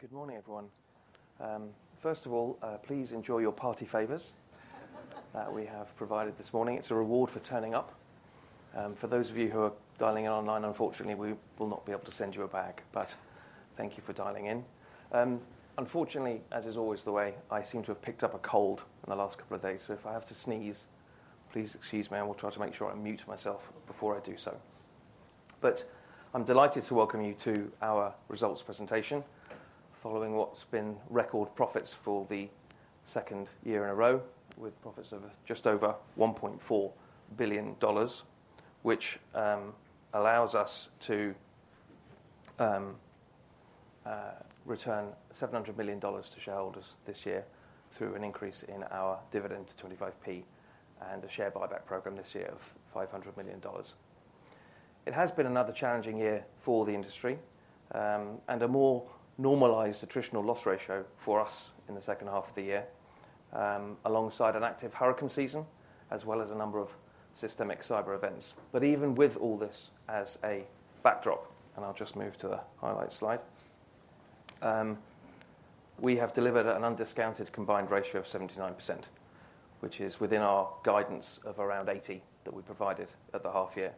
Good morning, everyone. First of all, please enjoy your party favors that we have provided this morning. It's a reward for turning up. For those of you who are dialing in online, unfortunately, we will not be able to send you a bag, but thank you for dialing in. Unfortunately, as is always the way, I seem to have picked up a cold in the last couple of days, so if I have to sneeze, please excuse me. I will try to make sure I mute myself before I do so. But I'm delighted to welcome you to our results presentation, following what's been record profits for the second year in a row, with profits of just over $1.4 billion, which allows us to return $700 million to shareholders this year through an increase in our dividend to 25p and a share buyback program this year of $500 million. It has been another challenging year for the industry and a more normalized attritional loss ratio for us in the second half of the year, alongside an active hurricane season as well as a number of systemic cyber events. But even with all this as a backdrop, and I'll just move to the highlight slide, we have delivered an undiscounted combined ratio of 79%, which is within our guidance of around 80% that we provided at the half year.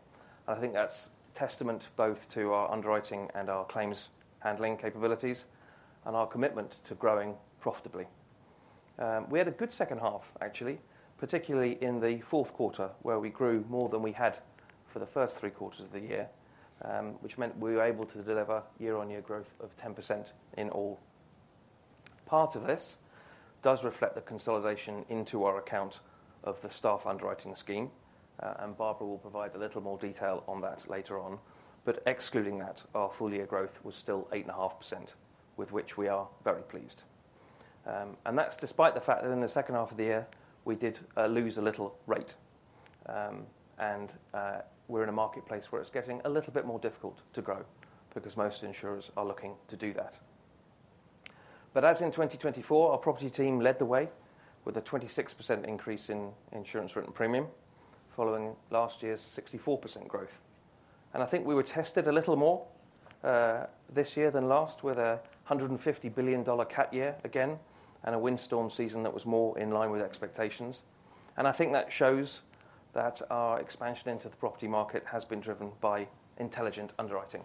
And I think that's a testament both to our underwriting and our claims handling capabilities and our commitment to growing profitably. We had a good second half, actually, particularly in the fourth quarter, where we grew more than we had for the first three quarters of the year, which meant we were able to deliver year-on-year growth of 10% in all. Part of this does reflect the consolidation into our account of the staff underwriting scheme, and Barbara will provide a little more detail on that later on. But excluding that, our full-year growth was still 8.5%, with which we are very pleased. And that's despite the fact that in the second half of the year we did lose a little rate, and we're in a marketplace where it's getting a little bit more difficult to grow because most insurers are looking to do that. But as in 2024, our property team led the way with a 26% increase in insurance written premium, following last year's 64% growth. And I think we were tested a little more this year than last with a $150 billion cat year again and a windstorm season that was more in line with expectations. I think that shows that our expansion into the property market has been driven by intelligent underwriting,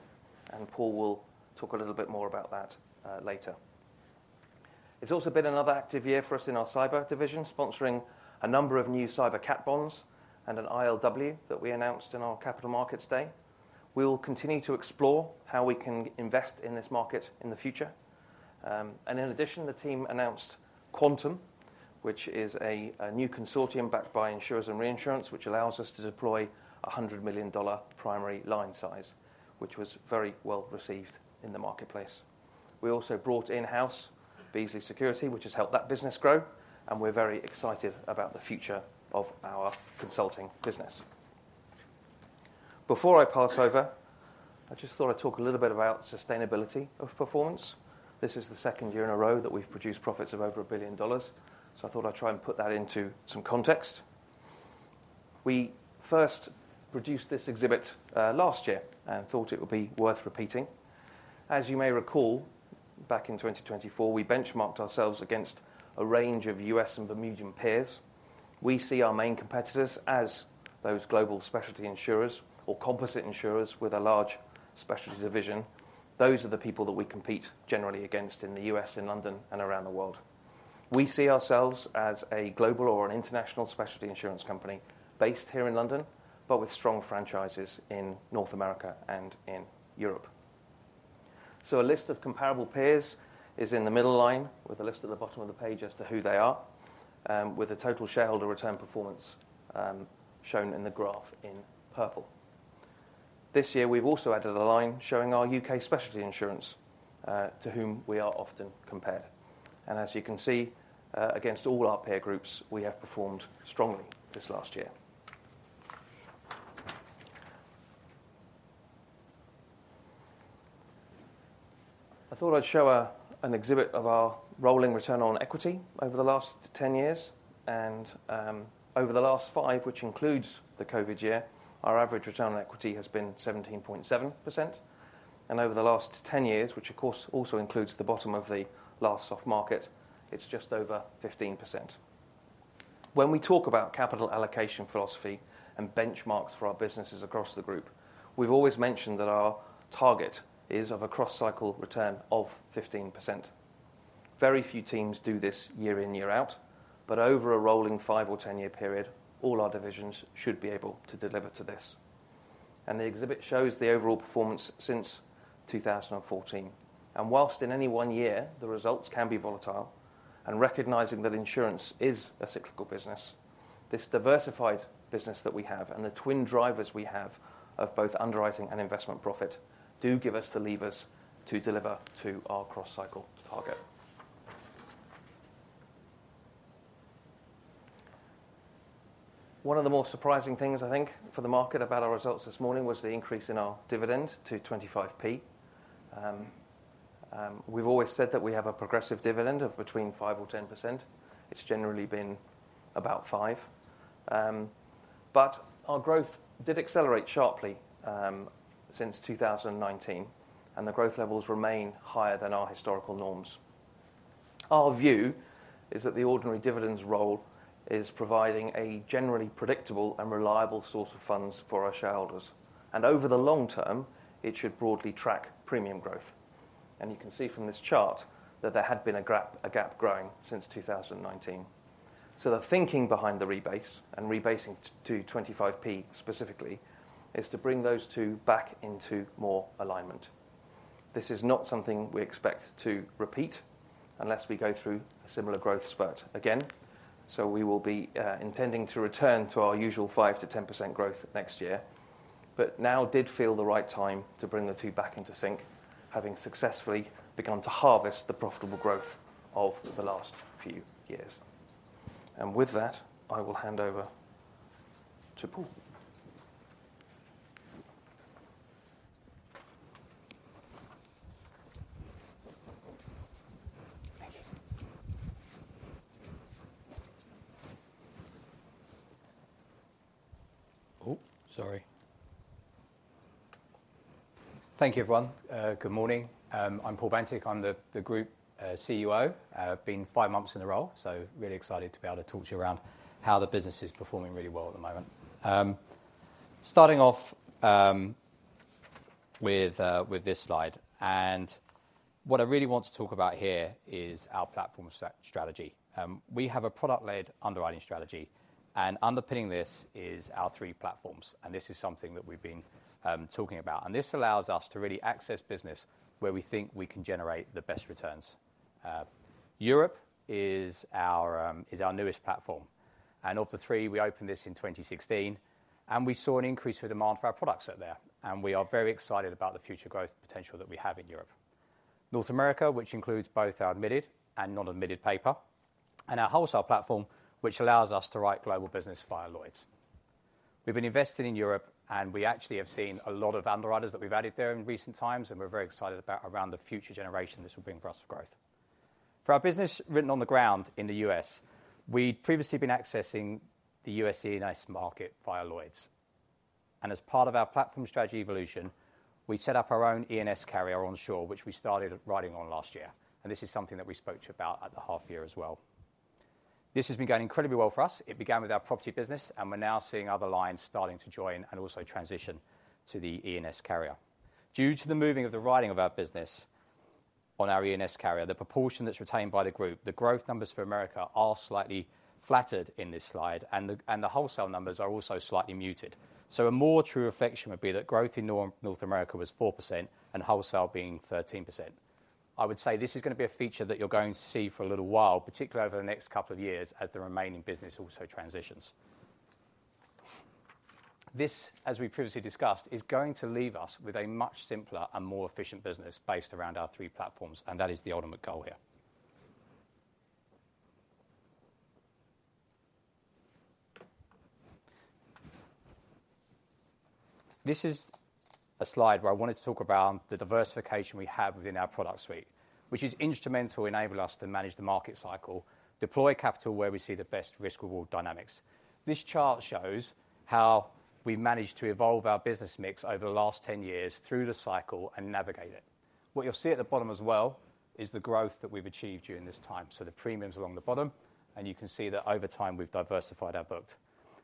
and Paul will talk a little bit more about that later. It's also been another active year for us in our cyber division, sponsoring a number of new cyber cat bonds and an ILW that we announced in our Capital Markets Day. We'll continue to explore how we can invest in this market in the future. In addition, the team announced Quantum, which is a new consortium backed by insurers and reinsurers, which allows us to deploy a $100 million primary line size, which was very well received in the marketplace. We also brought in-house Beazley Security, which has helped that business grow, and we're very excited about the future of our consulting business. Before I pass over, I just thought I'd talk a little bit about sustainability of performance. This is the second year in a row that we've produced profits of over $1 billion, so I thought I'd try and put that into some context. We first produced this exhibit last year and thought it would be worth repeating. As you may recall, back in 2024, we benchmarked ourselves against a range of U.S. and Bermudian peers. We see our main competitors as those global specialty insurers or composite insurers with a large specialty division. Those are the people that we compete generally against in the U.S., in London, and around the world. We see ourselves as a global or an international specialty insurance company based here in London, but with strong franchises in North America and in Europe. A list of comparable peers is in the middle line, with a list at the bottom of the page as to who they are, with a total shareholder return performance shown in the graph in purple. This year, we've also added a line showing our U.K. specialty insurance to whom we are often compared. And as you can see, against all our peer groups, we have performed strongly this last year. I thought I'd show an exhibit of our rolling return on equity over the last 10 years. And over the last five, which includes the COVID year, our average return on equity has been 17.7%. And over the last 10 years, which of course also includes the bottom of the last soft market, it's just over 15%. When we talk about capital allocation philosophy and benchmarks for our businesses across the group, we've always mentioned that our target is of a cross-cycle return of 15%. Very few teams do this year in, year out, but over a rolling five or ten-year period, all our divisions should be able to deliver to this. And the exhibit shows the overall performance since 2014. And whilst in any one year the results can be volatile, and recognizing that insurance is a cyclical business, this diversified business that we have and the twin drivers we have of both underwriting and investment profit do give us the levers to deliver to our cross-cycle target. One of the more surprising things, I think, for the market about our results this morning was the increase in our dividend to 25p. We've always said that we have a progressive dividend of between 5% or 10%. It's generally been about 5%. But our growth did accelerate sharply since 2019, and the growth levels remain higher than our historical norms. Our view is that the ordinary dividend's role is providing a generally predictable and reliable source of funds for our shareholders. And over the long term, it should broadly track premium growth. And you can see from this chart that there had been a gap growing since 2019. So the thinking behind the rebase and rebasing to 25p specifically is to bring those two back into more alignment. This is not something we expect to repeat unless we go through a similar growth spurt again. So we will be intending to return to our usual 5%-10% growth next year. But now did feel the right time to bring the two back into sync, having successfully begun to harvest the profitable growth of the last few years. And with that, I will hand over to Paul. Thank you. Oh, sorry. Thank you, everyone. Good morning. I'm Paul Bantick. I'm the Group CUO. I've been five months in the role, so really excited to be able to talk to you around how the business is performing really well at the moment. Starting off with this slide, and what I really want to talk about here is our platform strategy. We have a product-led underwriting strategy, and underpinning this is our three platforms, and this is something that we've been talking about. And this allows us to really access business where we think we can generate the best returns. Europe is our newest platform. And of the three, we opened this in 2016, and we saw an increase of demand for our products out there. And we are very excited about the future growth potential that we have in Europe. North America, which includes both our admitted and non-admitted paper, and our wholesale platform, which allows us to write global business via Lloyd's. We've been investing in Europe, and we actually have seen a lot of underwriters that we've added there in recent times, and we're very excited about around the future generation this will bring for us of growth. For our business written on the ground in the U.S., we'd previously been accessing the U.S. E&S market via Lloyd's. And as part of our platform strategy evolution, we set up our own E&S carrier onshore, which we started writing on last year. And this is something that we spoke to you about at the half year as well. This has been going incredibly well for us. It began with our property business, and we're now seeing other lines starting to join and also transition to the E&S carrier. Due to the moving of the writing of our business on our E&S carrier, the proportion that's retained by the group, the growth numbers for America are slightly flattered in this slide, and the wholesale numbers are also slightly muted. So a more true reflection would be that growth in North America was 4% and wholesale being 13%. I would say this is going to be a feature that you're going to see for a little while, particularly over the next couple of years as the remaining business also transitions. This, as we previously discussed, is going to leave us with a much simpler and more efficient business based around our three platforms, and that is the ultimate goal here. This is a slide where I wanted to talk about the diversification we have within our product suite, which is instrumental in enabling us to manage the market cycle, deploy capital where we see the best risk-reward dynamics. This chart shows how we've managed to evolve our business mix over the last 10 years through the cycle and navigate it. What you'll see at the bottom as well is the growth that we've achieved during this time. So the premiums along the bottom, and you can see that over time we've diversified our books.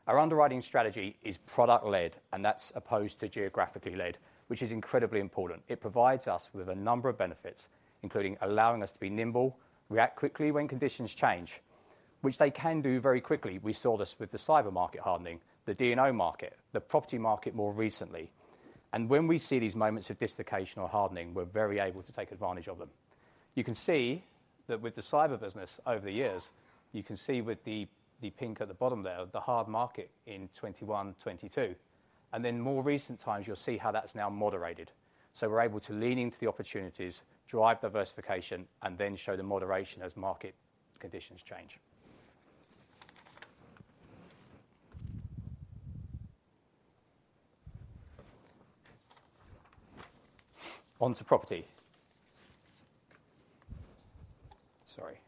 Our underwriting strategy is product-led, and that's opposed to geographically-led, which is incredibly important. It provides us with a number of benefits, including allowing us to be nimble, react quickly when conditions change, which they can do very quickly. We saw this with the cyber market hardening, the D&O market, the property market more recently. When we see these moments of dislocation or hardening, we're very able to take advantage of them. You can see that with the cyber business over the years. You can see with the pink at the bottom there, the hard market in 2021, 2022. Then more recent times, you'll see how that's now moderated. We're able to lean into the opportunities, drive diversification, and then show the moderation as market conditions change. Onto property. Sorry.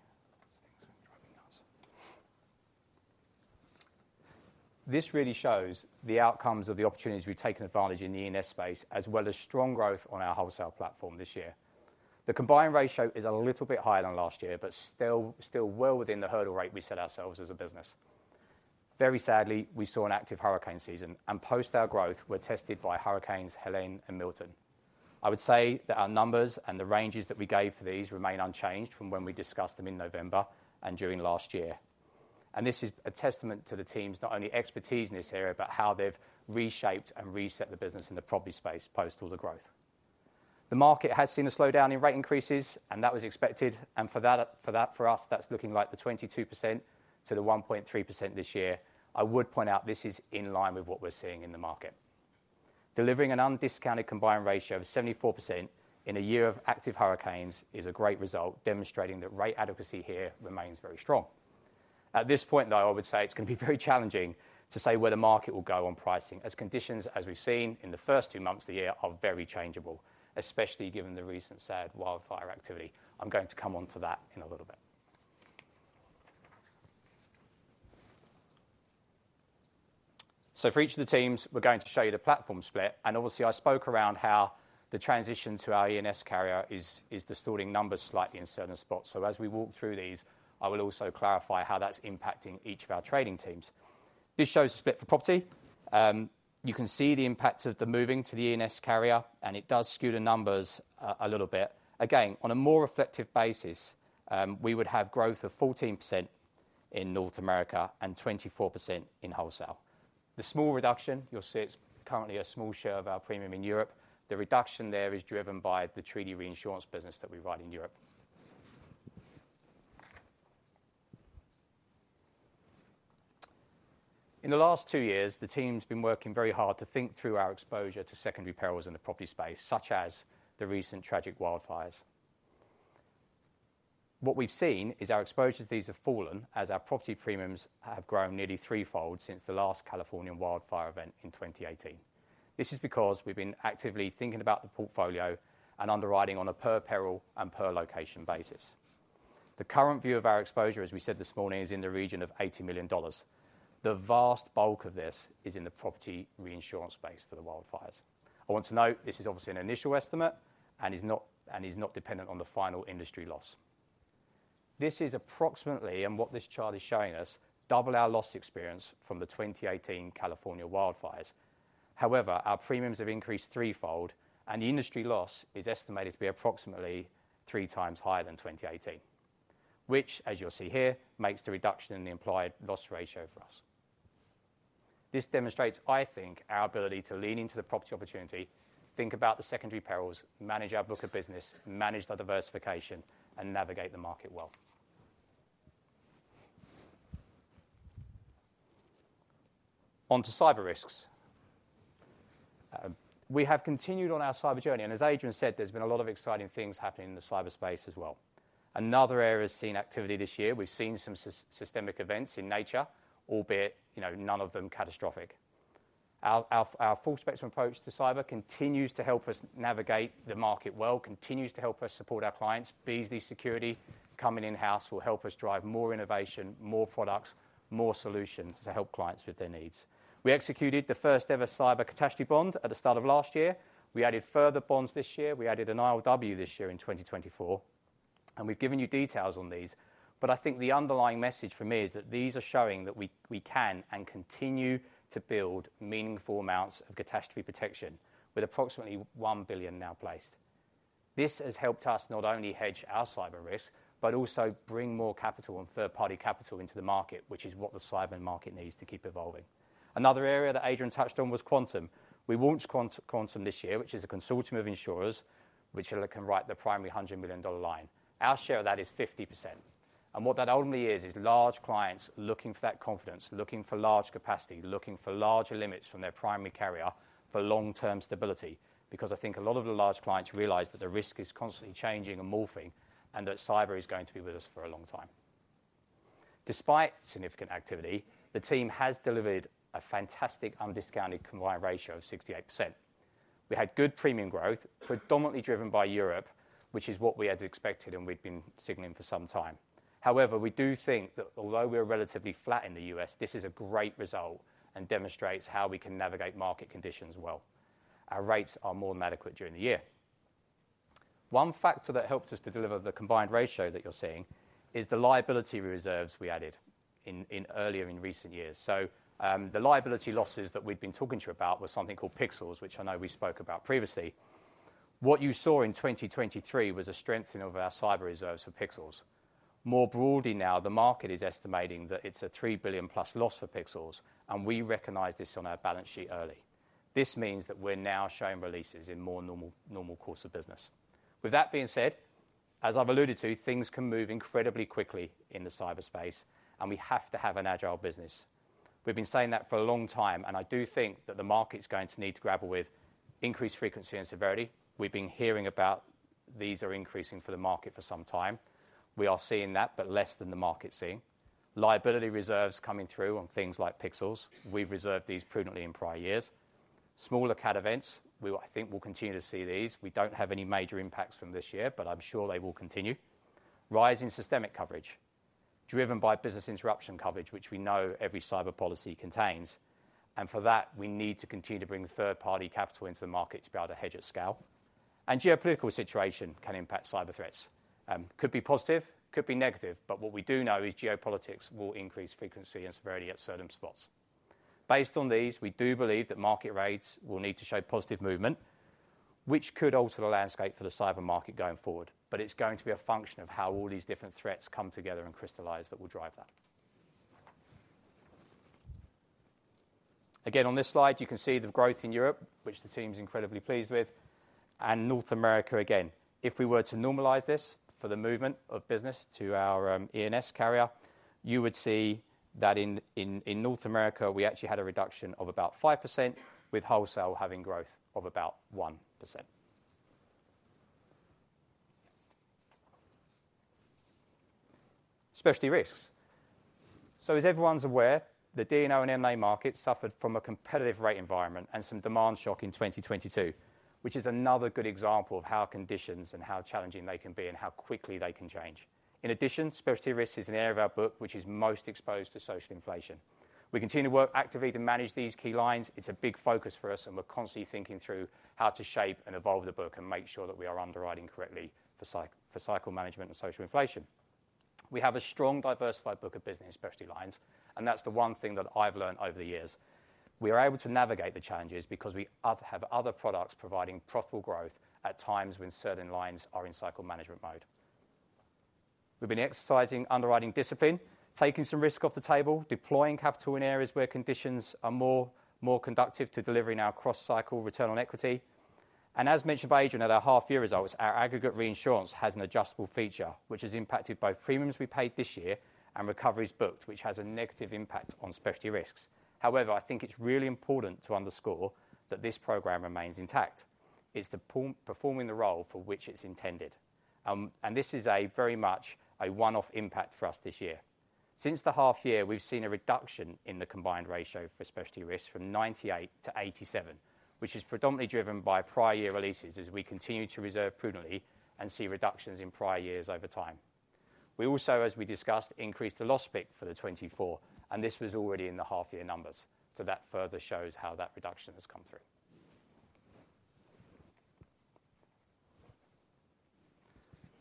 This really shows the outcomes of the opportunities we've taken advantage in the E&S space, as well as strong growth on our wholesale platform this year. The combined ratio is a little bit higher than last year, but still well within the hurdle rate we set ourselves as a business. Very sadly, we saw an active hurricane season, and post our growth, we're tested by hurricanes Helene and Milton. I would say that our numbers and the ranges that we gave for these remain unchanged from when we discussed them in November and during last year, and this is a testament to the team's not only expertise in this area, but how they've reshaped and reset the business in the property space post all the growth. The market has seen a slowdown in rate increases, and that was expected, and for that, for us, that's looking like the 2% to the 3% this year. I would point out this is in line with what we're seeing in the market. Delivering an undiscounted combined ratio of 74% in a year of active hurricanes is a great result, demonstrating that rate adequacy here remains very strong. At this point, though, I would say it's going to be very challenging to say where the market will go on pricing, as conditions, as we've seen in the first two months of the year, are very changeable, especially given the recent sad wildfire activity. I'm going to come on to that in a little bit. So for each of the teams, we're going to show you the platform split. And obviously, I spoke around how the transition to our E&S carrier is distorting numbers slightly in certain spots. So as we walk through these, I will also clarify how that's impacting each of our trading teams. This shows a split for property. You can see the impact of the moving to the E&S carrier, and it does skew the numbers a little bit. Again, on a more reflective basis, we would have growth of 14% in North America and 24% in wholesale. The small reduction, you'll see it's currently a small share of our premium in Europe. The reduction there is driven by the treaty reinsurance business that we write in Europe. In the last two years, the team's been working very hard to think through our exposure to secondary perils in the property space, such as the recent tragic wildfires. What we've seen is our exposure to these have fallen as our property premiums have grown nearly threefold since the last California wildfire event in 2018. This is because we've been actively thinking about the portfolio and underwriting on a per peril and per location basis. The current view of our exposure, as we said this morning, is in the region of $80 million. The vast bulk of this is in the property reinsurance space for the wildfires. I want to note this is obviously an initial estimate and is not dependent on the final industry loss. This is approximately, and what this chart is showing us, double our loss experience from the 2018 California wildfires. However, our premiums have increased threefold, and the industry loss is estimated to be approximately three times higher than 2018, which, as you'll see here, makes the reduction in the implied loss ratio for us. This demonstrates, I think, our ability to lean into the property opportunity, think about the secondary perils, manage our book of business, manage the diversification, and navigate the market well. Onto Cyber Risks. We have continued on our cyber journey. And as Adrian said, there's been a lot of exciting things happening in the cyber space as well. Another area has seen activity this year. We've seen some systemic events in nature, albeit none of them catastrophic. Our full spectrum approach to cyber continues to help us navigate the market well, continues to help us support our clients. Beazley Security coming in-house will help us drive more innovation, more products, more solutions to help clients with their needs. We executed the first ever cyber catastrophe bond at the start of last year. We added further bonds this year. We added an ILW this year in 2024, and we've given you details on these, but I think the underlying message for me is that these are showing that we can and continue to build meaningful amounts of catastrophe protection with approximately $1 billion now placed. This has helped us not only hedge our Cyber risk, but also bring more capital and third-party capital into the market, which is what the cyber market needs to keep evolving. Another area that Adrian touched on was Quantum. We launched Quantum this year, which is a consortium of insurers, which can write the primary $100 million line. Our share of that is 50%. And what that ultimately is, is large clients looking for that confidence, looking for large capacity, looking for larger limits from their primary carrier for long-term stability. Because I think a lot of the large clients realize that the risk is constantly changing and morphing, and that cyber is going to be with us for a long time. Despite significant activity, the team has delivered a fantastic undiscounted combined ratio of 68%. We had good premium growth, predominantly driven by Europe, which is what we had expected and we'd been signaling for some time. However, we do think that although we are relatively flat in the U.S., this is a great result and demonstrates how we can navigate market conditions well. Our rates are more than adequate during the year. One factor that helped us to deliver the combined ratio that you're seeing is the liability reserves we added earlier in recent years. So the liability losses that we'd been talking to you about were something called pixels, which I know we spoke about previously. What you saw in 2023 was a strengthening of our cyber reserves for pixels. More broadly now, the market is estimating that it's a $3 billion plus loss for pixels, and we recognize this on our balance sheet early. This means that we're now showing releases in more normal course of business. With that being said, as I've alluded to, things can move incredibly quickly in the cyber space, and we have to have an agile business. We've been saying that for a long time, and I do think that the market's going to need to grapple with increased frequency and severity. We've been hearing about these are increasing for the market for some time. We are seeing that, but less than the market's seeing. Liability reserves coming through on things like pixels. We've reserved these prudently in prior years. Smaller CAT events, we think we'll continue to see these. We don't have any major impacts from this year, but I'm sure they will continue. Rising systemic coverage, driven by business interruption coverage, which we know every cyber policy contains. For that, we need to continue to bring third-party capital into the market to be able to hedge at scale. Geopolitical situation can impact cyber threats. Could be positive, could be negative, but what we do know is geopolitics will increase frequency and severity at certain spots. Based on these, we do believe that market rates will need to show positive movement, which could alter the landscape for the cyber market going forward. But it's going to be a function of how all these different threats come together and crystallize that will drive that. Again, on this slide, you can see the growth in Europe, which the team's incredibly pleased with. North America again. If we were to normalize this for the movement of business to our E&S carrier, you would see that in North America, we actually had a reduction of about 5%, with wholesale having growth of about 1%. Specialty Risks. So as everyone's aware, the D&O and M&A market suffered from a competitive rate environment and some demand shock in 2022, which is another good example of how conditions and how challenging they can be and how quickly they can change. In addition, Specialty Risk is an area of our book which is most exposed to social inflation. We continue to work actively to manage these key lines. It's a big focus for us, and we're constantly thinking through how to shape and evolve the book and make sure that we are underwriting correctly for cycle management and social inflation. We have a strong, diversified book of business and specialty lines, and that's the one thing that I've learned over the years. We are able to navigate the challenges because we have other products providing profitable growth at times when certain lines are in cycle management mode. We've been exercising underwriting discipline, taking some risk off the table, deploying capital in areas where conditions are more conducive to delivering our cross-cycle return on equity, and as mentioned by Adrian at our half-year results, our aggregate reinsurance has an adjustable feature, which has impacted both premiums we paid this year and recoveries booked, which has a negative impact on Specialty Risks. However, I think it's really important to underscore that this program remains intact. It's performing the role for which it's intended, and this is very much a one-off impact for us this year. Since the half year, we've seen a reduction in the combined ratio for Specialty Risk from 98% to 87%, which is predominantly driven by prior year releases as we continue to reserve prudently and see reductions in prior years over time. We also, as we discussed, increased the loss split for the 2024, and this was already in the half-year numbers. So that further shows how that reduction has come through.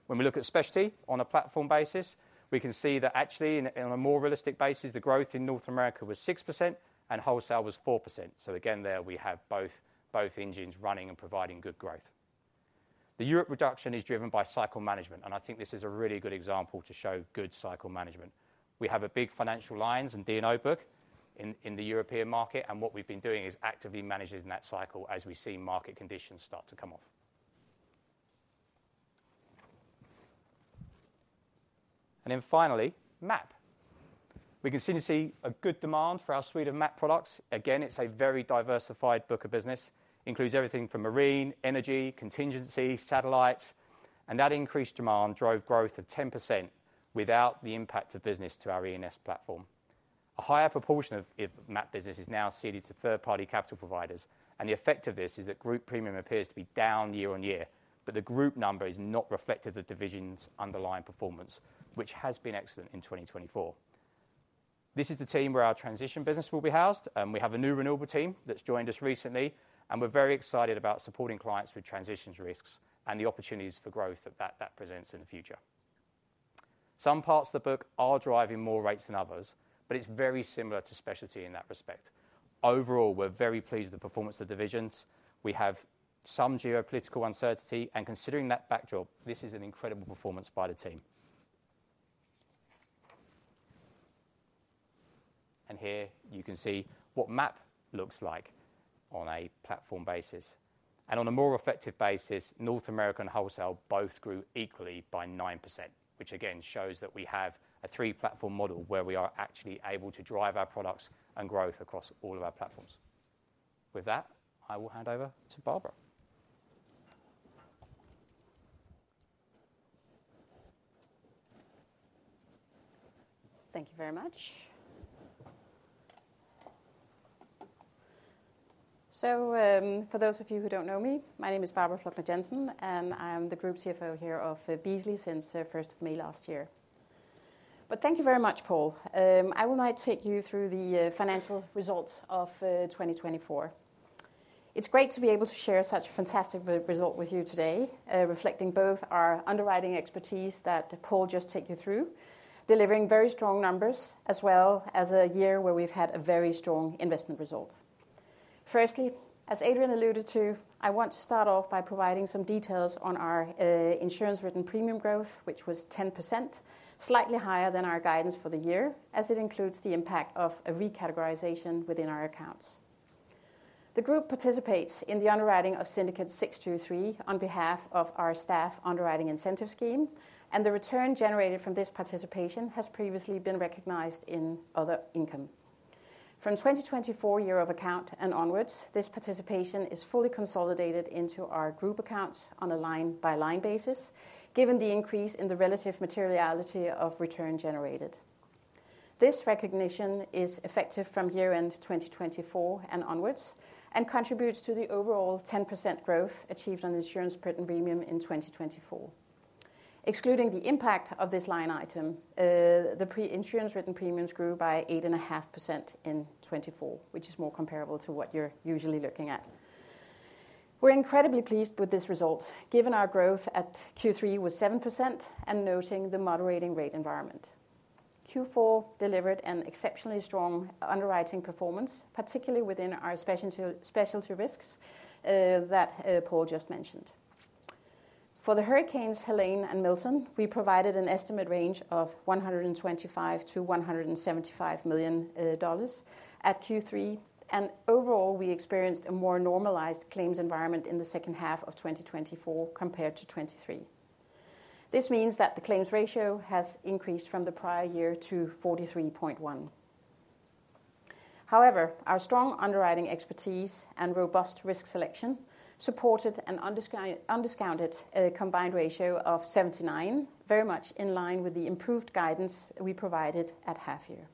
When we look at specialty on a platform basis, we can see that actually, on a more realistic basis, the growth in North America was 6% and wholesale was 4%. So again, there we have both engines running and providing good growth. The Europe reduction is driven by cycle management, and I think this is a really good example to show good cycle management. We have a big financial lines and D&O book in the European market, and what we've been doing is actively managing that cycle as we see market conditions start to come off, and then finally, MAP. We continue to see a good demand for our suite of MAP products. Again, it's a very diversified book of business. It includes everything from marine, energy, contingency, satellites. And that increased demand drove growth of 10% without the impact of business to our E&S platform. A higher proportion of MAP business is now ceded to third-party capital providers, and the effect of this is that group premium appears to be down year-on-year, but the group number is not reflective of the division's underlying performance, which has been excellent in 2024. This is the team where our transition business will be housed. We have a new renewable team that's joined us recently, and we're very excited about supporting clients with transition risks and the opportunities for growth that that presents in the future. Some parts of the book are driving more rates than others, but it's very similar to specialty in that respect. Overall, we're very pleased with the performance of divisions. We have some geopolitical uncertainty, and considering that backdrop, this is an incredible performance by the team, and here you can see what MAP looks like on a platform basis, and on a more effective basis, North America and wholesale both grew equally by 9%, which again shows that we have a three-platform model where we are actually able to drive our products and growth across all of our platforms. With that, I will hand over to Barbara. Thank you very much. So for those of you who don't know me, my name is Barbara Plucnar Jensen, and I'm the Group CFO here of Beazley since 1st of May last year. But thank you very much, Paul. I will now take you through the financial results of 2024. It's great to be able to share such a fantastic result with you today, reflecting both our underwriting expertise that Paul just took you through, delivering very strong numbers, as well as a year where we've had a very strong investment result. Firstly, as Adrian alluded to, I want to start off by providing some details on our insurance-written premium growth, which was 10%, slightly higher than our guidance for the year, as it includes the impact of a recategorization within our accounts. The group participates in the underwriting of Syndicate 623 on behalf of our staff underwriting incentive scheme, and the return generated from this participation has previously been recognized in other income. From 2024 year of account and onwards, this participation is fully consolidated into our group accounts on a line-by-line basis, given the increase in the relative materiality of return generated. This recognition is effective from year-end 2024 and onwards and contributes to the overall 10% growth achieved on insurance-written premium in 2024. Excluding the impact of this line item, the insurance-written premiums grew by 8.5% in 2024, which is more comparable to what you're usually looking at. We're incredibly pleased with this result, given our growth at Q3 was 7% and noting the moderating rate environment. Q4 delivered an exceptionally strong underwriting performance, particularly within our Specialty Risks that Paul just mentioned. For the hurricanes Helene and Milton, we provided an estimate range of $125-$175 million at Q3, and overall, we experienced a more normalized claims environment in the second half of 2024 compared to 2023. This means that the claims ratio has increased from the prior year to 43.1%. However, our strong underwriting expertise and robust risk selection supported an undiscounted combined ratio of 79%, very much in line with the improved guidance we provided at half year.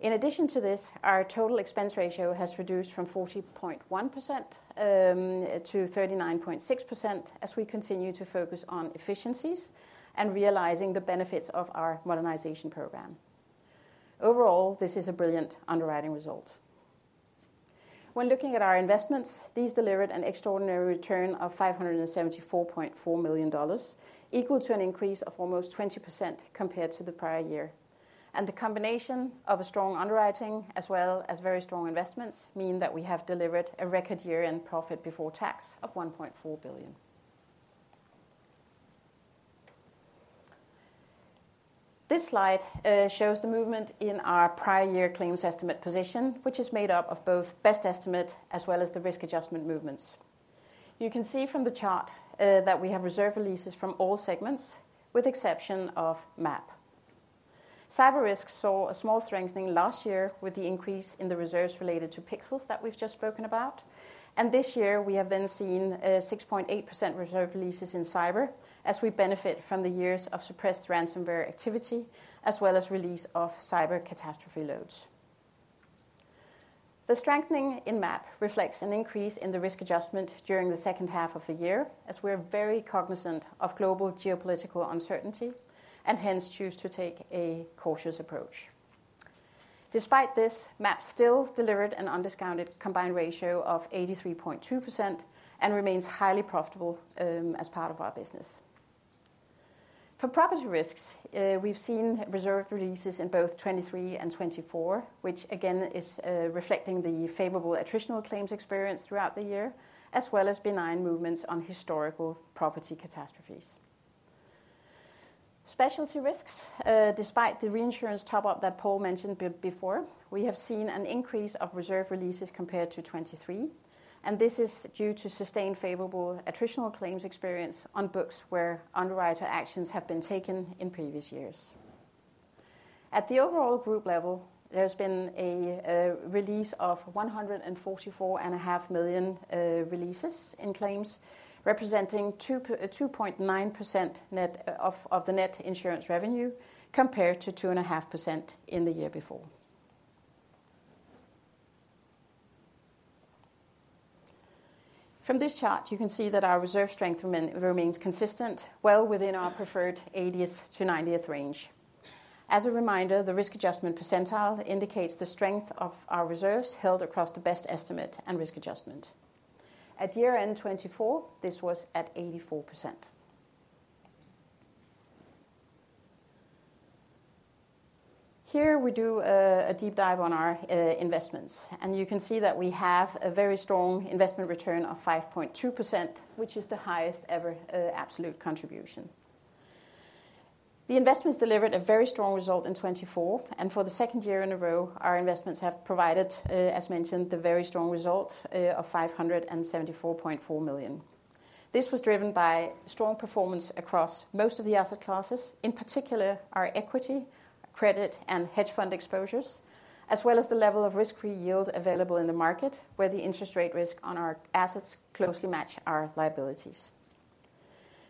In addition to this, our total expense ratio has reduced from 40.1% to 39.6% as we continue to focus on efficiencies and realizing the benefits of our modernization program. Overall, this is a brilliant underwriting result. When looking at our investments, these delivered an extraordinary return of $574.4 million, equal to an increase of almost 20% compared to the prior year. The combination of a strong underwriting as well as very strong investments means that we have delivered a record year-end profit before tax of $1.4 billion. This slide shows the movement in our prior year claims estimate position, which is made up of both best estimate as well as the risk adjustment movements. You can see from the chart that we have reserve releases from all segments with the exception of MAP. Cyber risks saw a small strengthening last year with the increase in the reserves related to pixels that we've just spoken about. This year, we have then seen 6.8% reserve releases in cyber as we benefit from the years of suppressed ransomware activity as well as release of cyber catastrophe loss. The strengthening in MAP reflects an increase in the risk adjustment during the second half of the year as we're very cognizant of global geopolitical uncertainty and hence choose to take a cautious approach. Despite this, MAP still delivered an undiscounted combined ratio of 83.2% and remains highly profitable as part of our business. For Property Risks, we've seen reserve releases in both 2023 and 2024, which again is reflecting the favorable attritional claims experience throughout the year, as well as benign movements on historical property catastrophes. Specialty Risks, despite the reinsurance top-up that Paul mentioned before, we have seen an increase of reserve releases compared to 2023, and this is due to sustained favorable attritional claims experience on books where underwriter actions have been taken in previous years. At the overall group level, there has been a release of $144.5 million in claims reserves, representing 2.9% of the net insurance revenue compared to 2.5% in the year before. From this chart, you can see that our reserve strength remains consistent, well within our preferred 80th-90th range. As a reminder, the risk adjustment percentile indicates the strength of our reserves held across the best estimate and risk adjustment. At year-end 2024, this was at 84%. Here we do a deep dive on our investments, and you can see that we have a very strong investment return of 5.2%, which is the highest-ever absolute contribution. The investments delivered a very strong result in 2024, and for the second year in a row, our investments have provided, as mentioned, the very strong result of $574.4 million. This was driven by strong performance across most of the asset classes, in particular our equity, credit, and hedge fund exposures, as well as the level of risk-free yield available in the market where the interest rate risk on our assets closely match our liabilities.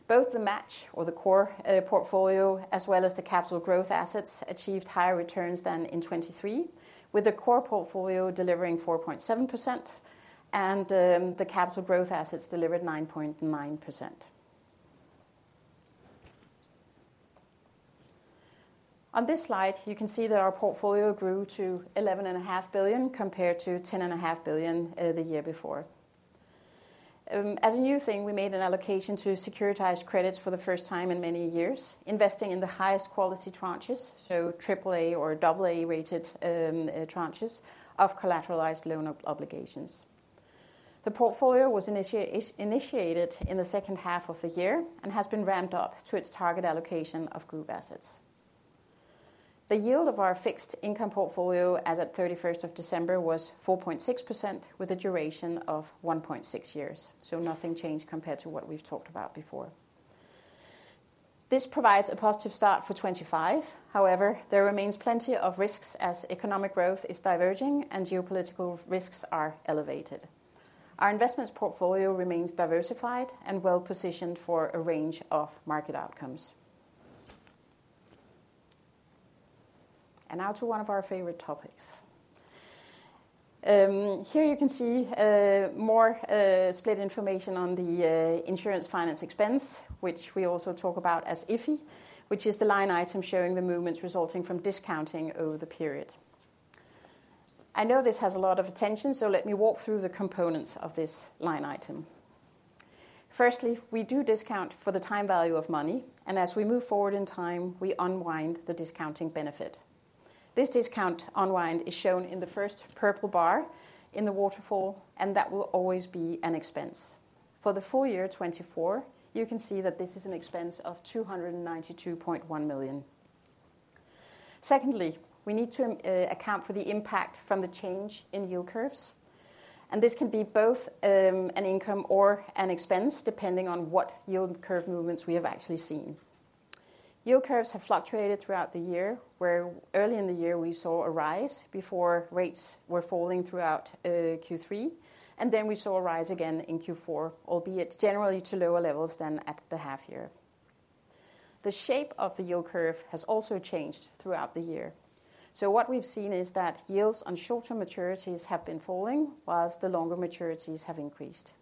Both the match, or the core portfolio, as well as the capital growth assets achieved higher returns than in 2023, with the core portfolio delivering 4.7% and the capital growth assets delivered 9.9%. On this slide, you can see that our portfolio grew to $11.5 billion compared to $10.5 billion the year before. As a new thing, we made an allocation to securitize credits for the first time in many years, investing in the highest quality tranches, so AAA or AA-rated tranches of collateralized loan obligations. The portfolio was initiated in the second half of the year and has been ramped up to its target allocation of group assets. The yield of our fixed income portfolio as of 31st of December was 4.6% with a duration of 1.6 years, so nothing changed compared to what we've talked about before. This provides a positive start for 2025. However, there remains plenty of risks as economic growth is diverging and geopolitical risks are elevated. Our investments portfolio remains diversified and well-positioned for a range of market outcomes. And now to one of our favorite topics. Here you can see more split information on the insurance finance expense, which we also talk about as FI, which is the line item showing the movements resulting from discounting over the period. I know this has a lot of attention, so let me walk through the components of this line item. Firstly, we do discount for the time value of money, and as we move forward in time, we unwind the discounting benefit. This discount unwind is shown in the first purple bar in the waterfall, and that will always be an expense. For the full year 2024, you can see that this is an expense of $292.1 million. Secondly, we need to account for the impact from the change in yield curves, and this can be both an income or an expense depending on what yield curve movements we have actually seen. Yield curves have fluctuated throughout the year, where early in the year we saw a rise before rates were falling throughout Q3, and then we saw a rise again in Q4, albeit generally to lower levels than at the half year. The shape of the yield curve has also changed throughout the year. What we've seen is that yields on shorter maturities have been falling while the longer maturities have increased.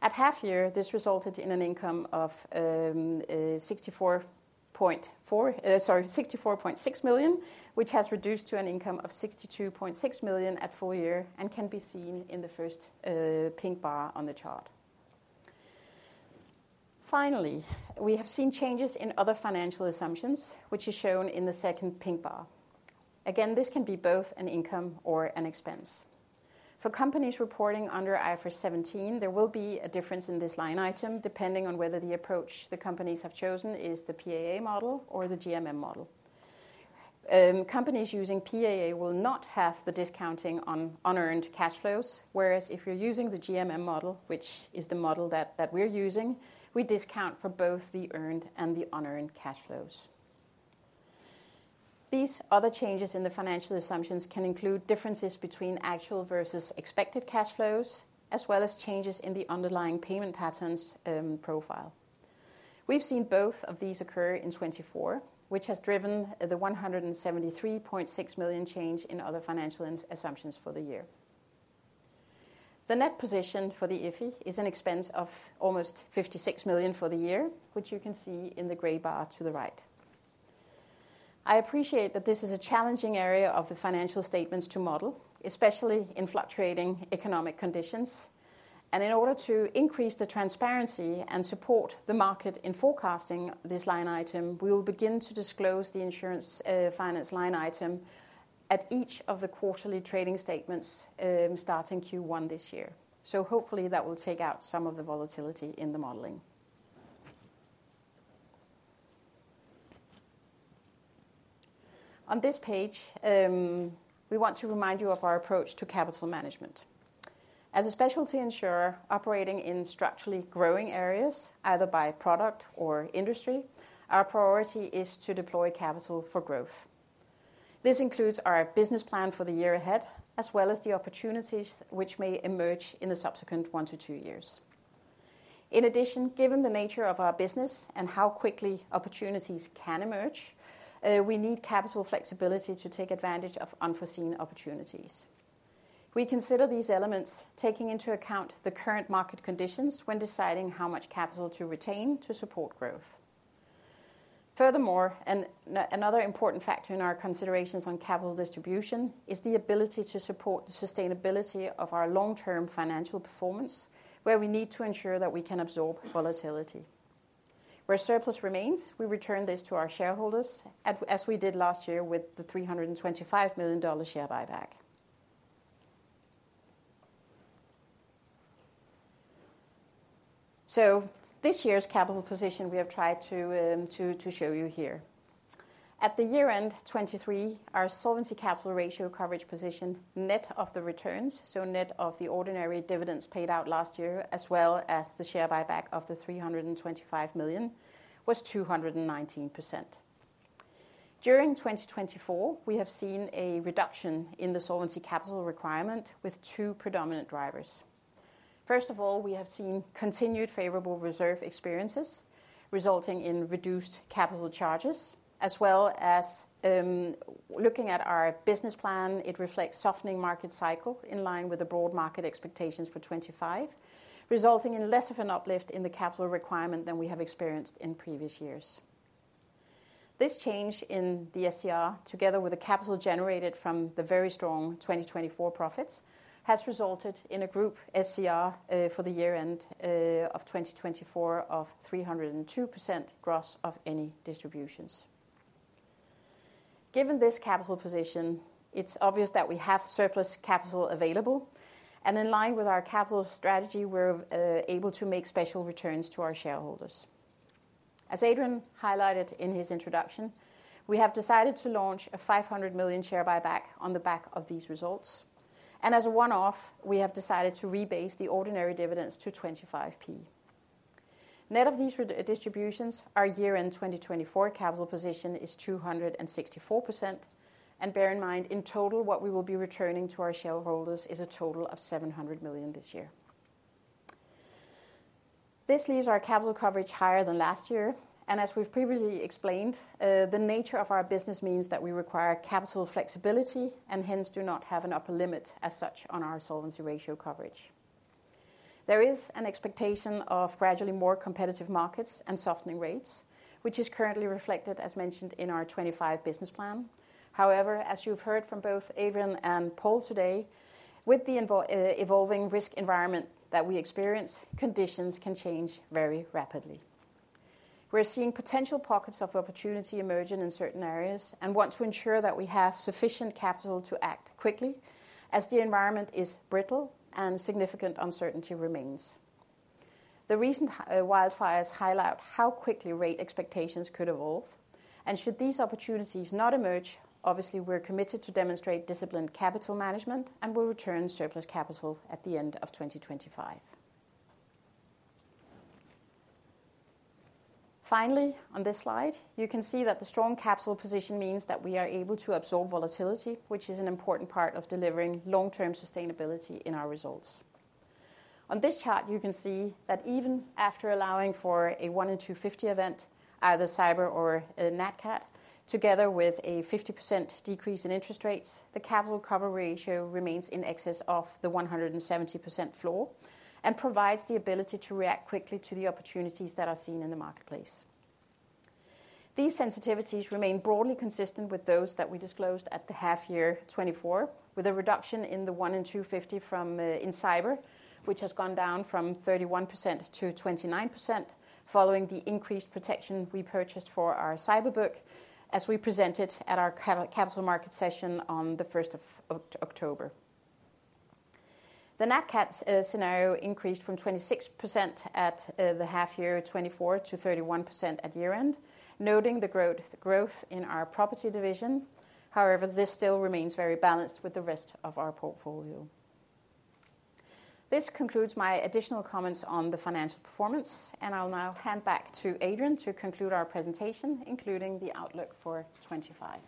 At half year, this resulted in an income of $64.6 million, which has reduced to an income of $62.6 million at full year and can be seen in the first pink bar on the chart. Finally, we have seen changes in other financial assumptions, which is shown in the second pink bar. Again, this can be both an income or an expense. For companies reporting under IFRS 17, there will be a difference in this line item depending on whether the approach the companies have chosen is the PAA model or the GMM model. Companies using PAA will not have the discounting on unearned cash flows, whereas if you're using the GMM model, which is the model that we're using, we discount for both the earned and the unearned cash flows. These other changes in the financial assumptions can include differences between actual versus expected cash flows, as well as changes in the underlying payment patterns profile. We've seen both of these occur in 2024, which has driven the $173.6 million change in other financial assumptions for the year. The net position for the FI is an expense of almost $56 million for the year, which you can see in the gray bar to the right. I appreciate that this is a challenging area of the financial statements to model, especially in fluctuating economic conditions, and in order to increase the transparency and support the market in forecasting this line item, we will begin to disclose the insurance finance line item at each of the quarterly trading statements starting Q1 this year, so hopefully, that will take out some of the volatility in the modeling. On this page, we want to remind you of our approach to capital management. As a specialty insurer operating in structurally growing areas, either by product or industry, our priority is to deploy capital for growth. This includes our business plan for the year ahead, as well as the opportunities which may emerge in the subsequent one to two years. In addition, given the nature of our business and how quickly opportunities can emerge, we need capital flexibility to take advantage of unforeseen opportunities. We consider these elements, taking into account the current market conditions when deciding how much capital to retain to support growth. Furthermore, another important factor in our considerations on capital distribution is the ability to support the sustainability of our long-term financial performance, where we need to ensure that we can absorb volatility. Where surplus remains, we return this to our shareholders as we did last year with the $325 million share buyback. So this year's capital position, we have tried to show you here. At the year-end 2023, our solvency capital ratio coverage position net of the returns, so net of the ordinary dividends paid out last year, as well as the share buyback of the $325 million, was 219%. During 2024, we have seen a reduction in the solvency capital requirement with two predominant drivers. First of all, we have seen continued favorable reserve experiences resulting in reduced capital charges, as well as looking at our business plan, it reflects softening market cycle in line with the broad market expectations for 2025, resulting in less of an uplift in the capital requirement than we have experienced in previous years. This change in the SCR, together with the capital generated from the very strong 2024 profits, has resulted in a group SCR for the year-end of 2024 of 302% gross of any distributions. Given this capital position, it's obvious that we have surplus capital available, and in line with our capital strategy, we're able to make special returns to our shareholders. As Adrian highlighted in his introduction, we have decided to launch a $500 million share buyback on the back of these results. And as a one-off, we have decided to rebase the ordinary dividends to $0.25. Net of these distributions, our year-end 2024 capital position is 264%. And bear in mind, in total, what we will be returning to our shareholders is a total of $700 million this year. This leaves our capital coverage higher than last year. As we've previously explained, the nature of our business means that we require capital flexibility and hence do not have an upper limit as such on our solvency ratio coverage. There is an expectation of gradually more competitive markets and softening rates, which is currently reflected, as mentioned, in our 2025 business plan. However, as you've heard from both Adrian and Paul today, with the evolving risk environment that we experience, conditions can change very rapidly. We're seeing potential pockets of opportunity emerging in certain areas and want to ensure that we have sufficient capital to act quickly as the environment is brittle and significant uncertainty remains. The recent wildfires highlight how quickly rate expectations could evolve. Should these opportunities not emerge, obviously, we're committed to demonstrate disciplined capital management and will return surplus capital at the end of 2025. Finally, on this slide, you can see that the strong capital position means that we are able to absorb volatility, which is an important part of delivering long-term sustainability in our results. On this chart, you can see that even after allowing for a 1-in-250 event, either cyber or a nat cat, together with a 50% decrease in interest rates, the capital cover ratio remains in excess of the 170% floor and provides the ability to react quickly to the opportunities that are seen in the marketplace. These sensitivities remain broadly consistent with those that we disclosed at the half year 2024, with a reduction in the 1-in-250 from cyber, which has gone down from 31% to 29% following the increased protection we purchased for our cyber book as we presented at our capital market session on the 1st of October. The nat cat scenario increased from 26% at the half year 2024 to 31% at year-end, noting the growth in our property division. However, this still remains very balanced with the rest of our portfolio. This concludes my additional comments on the financial performance, and I'll now hand back to Adrian to conclude our presentation, including the outlook for 2025.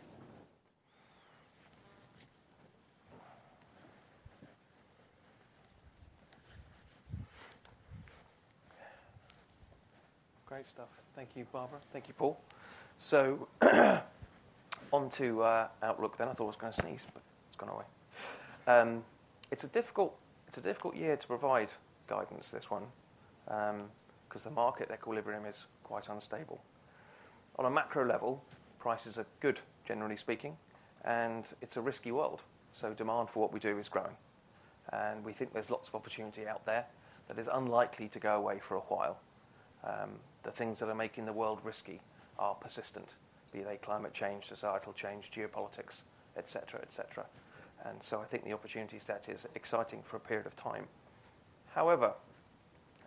Great stuff. Thank you, Barbara. Thank you, Paul. On to outlook then. I thought it was going to sneeze, but it's gone away. It's a difficult year to provide guidance, this one, because the market equilibrium is quite unstable. On a macro level, prices are good, generally speaking, and it's a risky world. Demand for what we do is growing. We think there's lots of opportunity out there that is unlikely to go away for a while. The things that are making the world risky are persistent, be they climate change, societal change, geopolitics, etc., etc. And so I think the opportunity set is exciting for a period of time. However,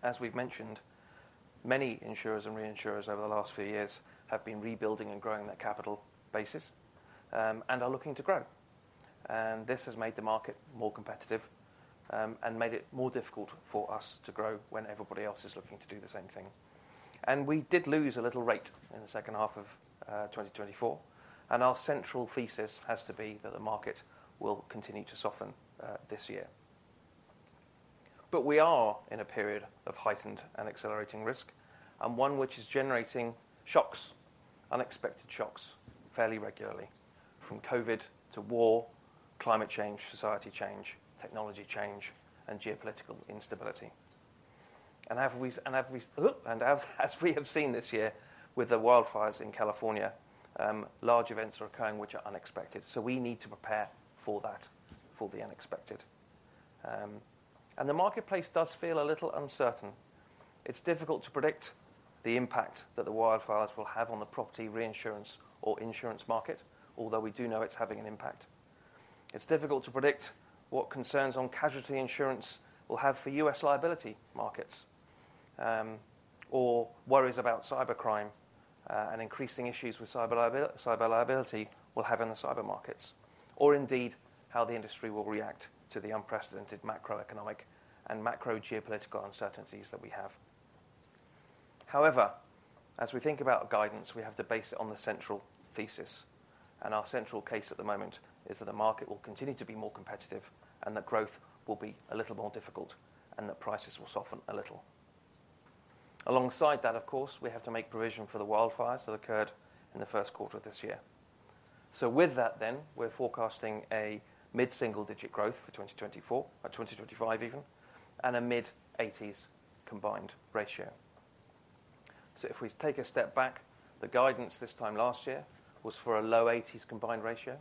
as we've mentioned, many insurers and reinsurers over the last few years have been rebuilding and growing their capital basis and are looking to grow. And this has made the market more competitive and made it more difficult for us to grow when everybody else is looking to do the same thing. And we did lose a little rate in the second half of 2024. And our central thesis has to be that the market will continue to soften this year. But we are in a period of heightened and accelerating risk, and one which is generating shocks, unexpected shocks fairly regularly, from COVID to war, climate change, society change, technology change, and geopolitical instability. And as we have seen this year with the wildfires in California, large events are occurring which are unexpected. So we need to prepare for that, for the unexpected. And the marketplace does feel a little uncertain. It's difficult to predict the impact that the wildfires will have on the property reinsurance or insurance market, although we do know it's having an impact. It's difficult to predict what concerns on casualty insurance will have for U.S. liability markets or worries about cybercrime and increasing issues with cyber liability will have in the cyber markets, or indeed how the industry will react to the unprecedented macroeconomic and macro geopolitical uncertainties that we have. However, as we think about guidance, we have to base it on the central thesis. Our central case at the moment is that the market will continue to be more competitive and that growth will be a little more difficult and that prices will soften a little. Alongside that, of course, we have to make provision for the wildfires that occurred in the first quarter of this year. With that, then, we're forecasting a mid-single digit growth for 2024, or 2025 even, and a mid-80s combined ratio. If we take a step back, the guidance this time last year was for a low-80s combined ratio.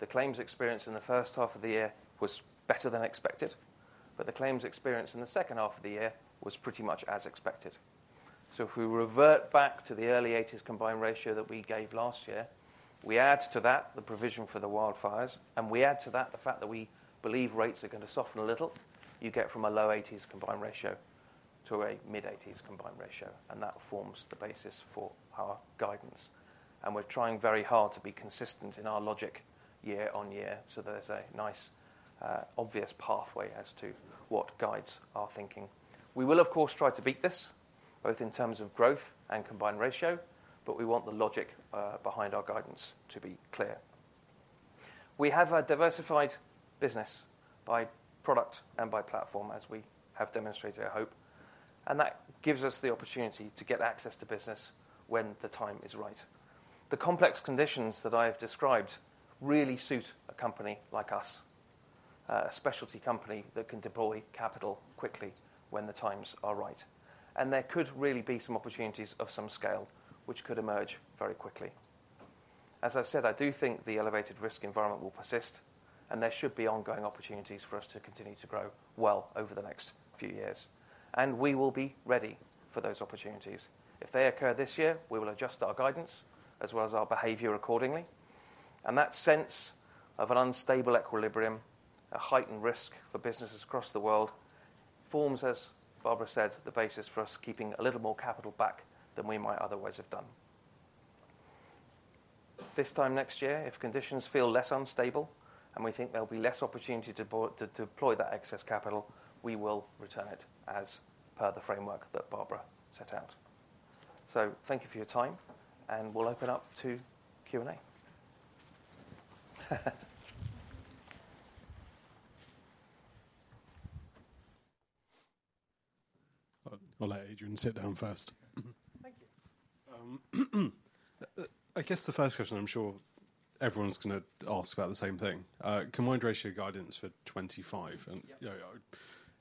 The claims experience in the first half of the year was better than expected, but the claims experience in the second half of the year was pretty much as expected. So if we revert back to the early 80s combined ratio that we gave last year, we add to that the provision for the wildfires, and we add to that the fact that we believe rates are going to soften a little, you get from a low-80s combined ratio to a mid-80s combined ratio. And that forms the basis for our guidance. And we're trying very hard to be consistent in our logic year-on-year so that there's a nice, obvious pathway as to what guides our thinking. We will, of course, try to beat this, both in terms of growth and combined ratio, but we want the logic behind our guidance to be clear. We have a diversified business by product and by platform, as we have demonstrated, I hope. And that gives us the opportunity to get access to business when the time is right. The complex conditions that I have described really suit a company like us, a specialty company that can deploy capital quickly when the times are right. And there could really be some opportunities of some scale which could emerge very quickly. As I've said, I do think the elevated risk environment will persist, and there should be ongoing opportunities for us to continue to grow well over the next few years. And we will be ready for those opportunities. If they occur this year, we will adjust our guidance as well as our behavior accordingly. And that sense of an unstable equilibrium, a heightened risk for businesses across the world, forms, as Barbara said, the basis for us keeping a little more capital back than we might otherwise have done. This time next year, if conditions feel less unstable and we think there'll be less opportunity to deploy that excess capital, we will return it as per the framework that Barbara set out. So thank you for your time, and we'll open up to Q&A. I'll let Adrian sit down first. Thank you. I guess the first question I'm sure everyone's going to ask about the same thing: combined ratio guidance for 2025, and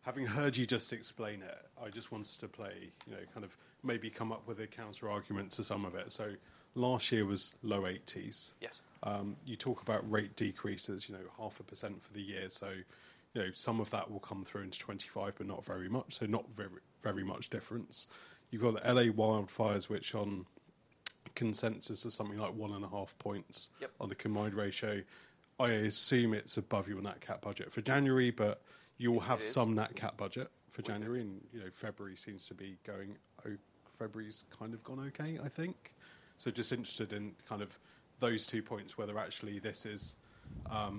having heard you just explain it, I just wanted to play kind of maybe come up with a counterargument to some of it. So last year was low-80s. You talk about rate decreases, 0.5% for the year. So some of that will come through into 2025, but not very much. So not very much difference. You've got the LA wildfires, which on consensus are something like one and a half points on the combined ratio. I assume it's above your nat cat budget for January, but you'll have some nat cat budget for January. February seems to be going. February's kind of gone okay, I think. Just interested in kind of those two points, whether actually this is a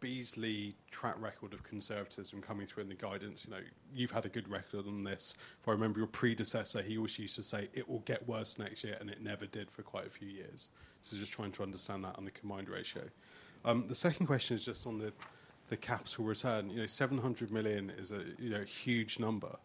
Beazley track record of conservatism coming through in the guidance. You've had a good record on this. If I remember your predecessor, he always used to say, "It will get worse next year," and it never did for quite a few years. Just trying to understand that on the combined ratio. The second question is just on the capital return. 700 million is a huge number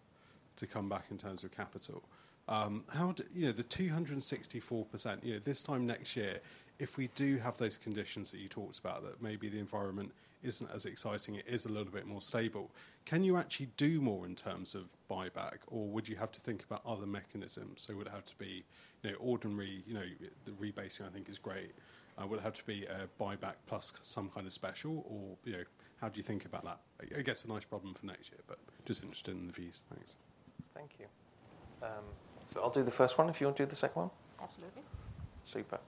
to come back in terms of capital. The 264%, this time next year, if we do have those conditions that you talked about, that maybe the environment isn't as exciting, it is a little bit more stable, can you actually do more in terms of buyback, or would you have to think about other mechanisms? So would it have to be ordinary rebasing, I think, is great. Would it have to be a buyback plus some kind of special, or how do you think about that? I guess a nice problem for next year, but just interested in the views. Thanks. Thank you. So I'll do the first one. If you want to do the second one. Absolutely. Super.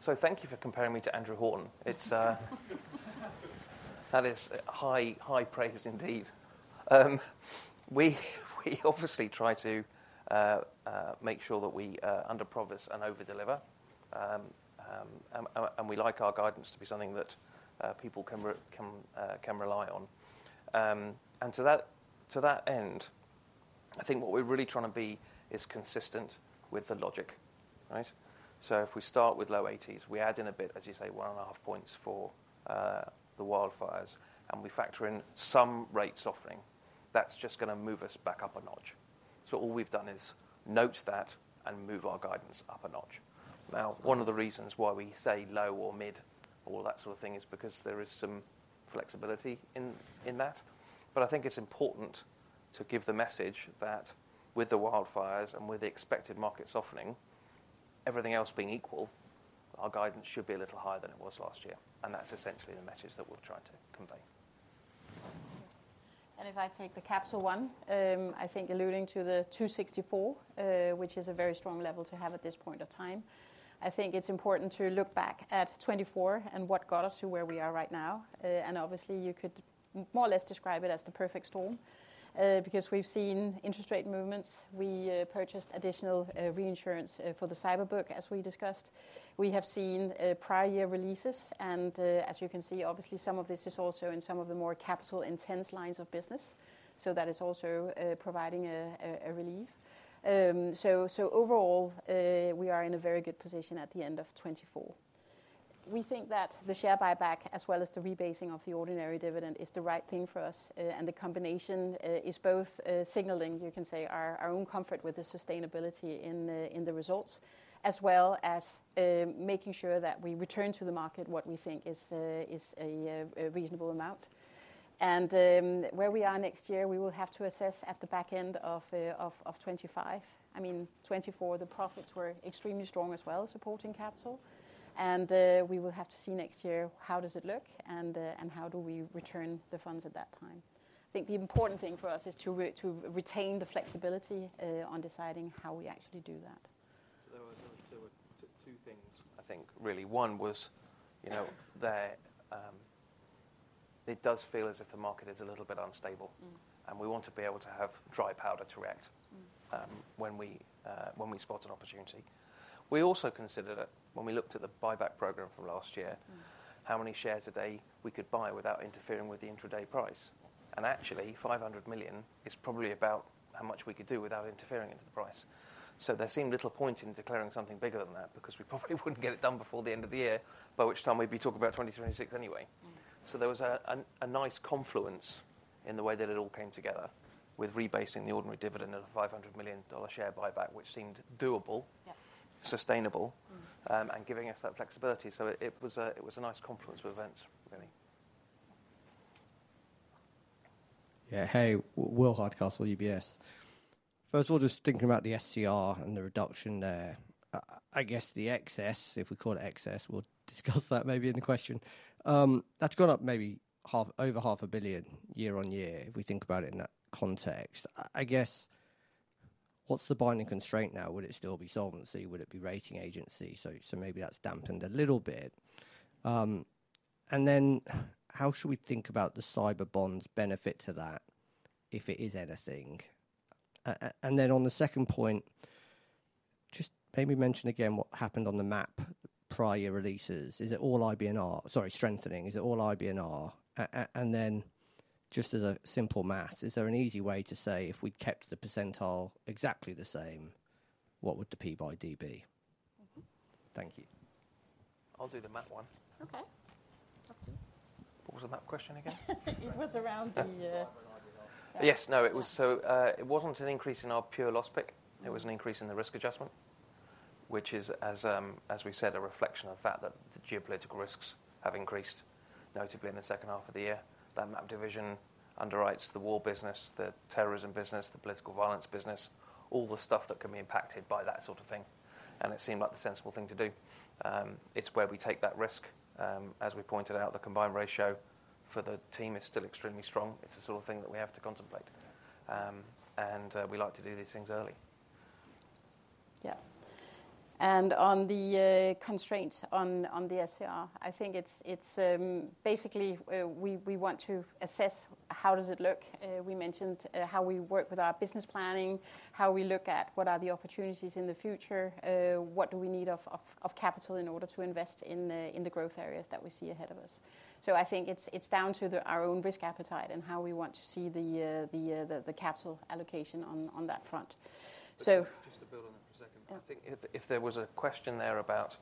So thank you for comparing me to Andrew Horton. That is high praise indeed. We obviously try to make sure that we underpromise and overdeliver, and we like our guidance to be something that people can rely on. And to that end, I think what we're really trying to be is consistent with the logic. So if we start with low-80s, we add in a bit, as you say, one and a half points for the wildfires, and we factor in some rate softening, that's just going to move us back up a notch. So all we've done is note that and move our guidance up a notch. Now, one of the reasons why we say low or mid or that sort of thing is because there is some flexibility in that. But I think it's important to give the message that with the wildfires and with the expected market softening, everything else being equal, our guidance should be a little higher than it was last year. And that's essentially the message that we're trying to convey. And if I take the capital one, I think alluding to the 264, which is a very strong level to have at this point of time, I think it's important to look back at 2024 and what got us to where we are right now. And obviously, you could more or less describe it as the perfect storm because we've seen interest rate movements. We purchased additional reinsurance for the cyber book, as we discussed. We have seen prior year releases. And as you can see, obviously, some of this is also in some of the more capital-intensive lines of business. So that is also providing a relief. So overall, we are in a very good position at the end of 2024. We think that the share buyback, as well as the rebasing of the ordinary dividend, is the right thing for us. The combination is both signaling, you can say, our own comfort with the sustainability in the results, as well as making sure that we return to the market what we think is a reasonable amount. Where we are next year, we will have to assess at the back end of 2025. I mean, 2024, the profits were extremely strong as well, supporting capital. We will have to see next year how does it look and how do we return the funds at that time. I think the important thing for us is to retain the flexibility on deciding how we actually do that. There were two things, I think, really. One was that it does feel as if the market is a little bit unstable, and we want to be able to have dry powder to react when we spot an opportunity. We also considered it when we looked at the buyback program from last year, how many shares a day we could buy without interfering with the intraday price, and actually, $500 million is probably about how much we could do without interfering with the price, so there seemed little point in declaring something bigger than that because we probably wouldn't get it done before the end of the year, by which time we'd be talking about 2026 anyway, so there was a nice confluence in the way that it all came together with rebasing the ordinary dividend at a $500 million share buyback, which seemed doable, sustainable, and giving us that flexibility, so it was a nice confluence of events, really. Yeah. Hey, Will Hardcastle, UBS. First of all, just thinking about the SCR and the reduction there, I guess the excess, if we call it excess, we'll discuss that maybe in the question. That's gone up maybe over $500 million year-on-year, if we think about it in that context. I guess what's the binding constraint now? Would it still be solvency? Would it be rating agency? So maybe that's dampened a little bit. And then how should we think about the cyber bonds' benefit to that, if it is anything? And then on the second point, just maybe mention again what happened on the MAP prior year releases. Is it all IBNR? Sorry, strengthening. Is it all IBNR? And then just as a simple math, is there an easy way to say if we kept the percentile exactly the same, what would the PYD be? Thank you. I'll do the math one. Okay. What was the math question again? It was around the... Yes, no, it was. So it wasn't an increase in our pure loss pick. It was an increase in the risk adjustment, which is, as we said, a reflection of the fact that the geopolitical risks have increased, notably in the second half of the year. That MAP division underwrites the war business, the terrorism business, the political violence business, all the stuff that can be impacted by that sort of thing. And it seemed like the sensible thing to do. It's where we take that risk. As we pointed out, the combined ratio for the team is still extremely strong. It's the sort of thing that we have to contemplate. And we like to do these things early. Yeah. And on the constraints on the SCR, I think it's basically we want to assess how does it look. We mentioned how we work with our business planning, how we look at what are the opportunities in the future, what do we need of capital in order to invest in the growth areas that we see ahead of us. So I think it's down to our own risk appetite and how we want to see the capital allocation on that front. So just to build on that for a second, I think if there was a question there about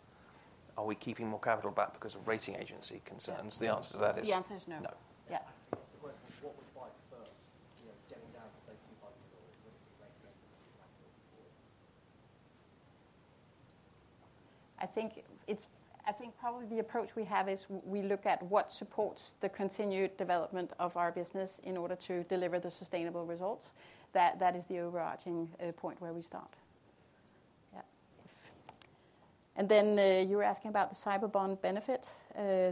are we keeping more capital back because of rating agency concerns, the answer to that is... The answer is no. No. Yeah. Just a question. What would bite first? Getting down to $1,500, would it be rating agency backwards for it? I think probably the approach we have is we look at what supports the continued development of our business in order to deliver the sustainable results. That is the overarching point where we start. Yeah. And then you were asking about the cyber bond benefit.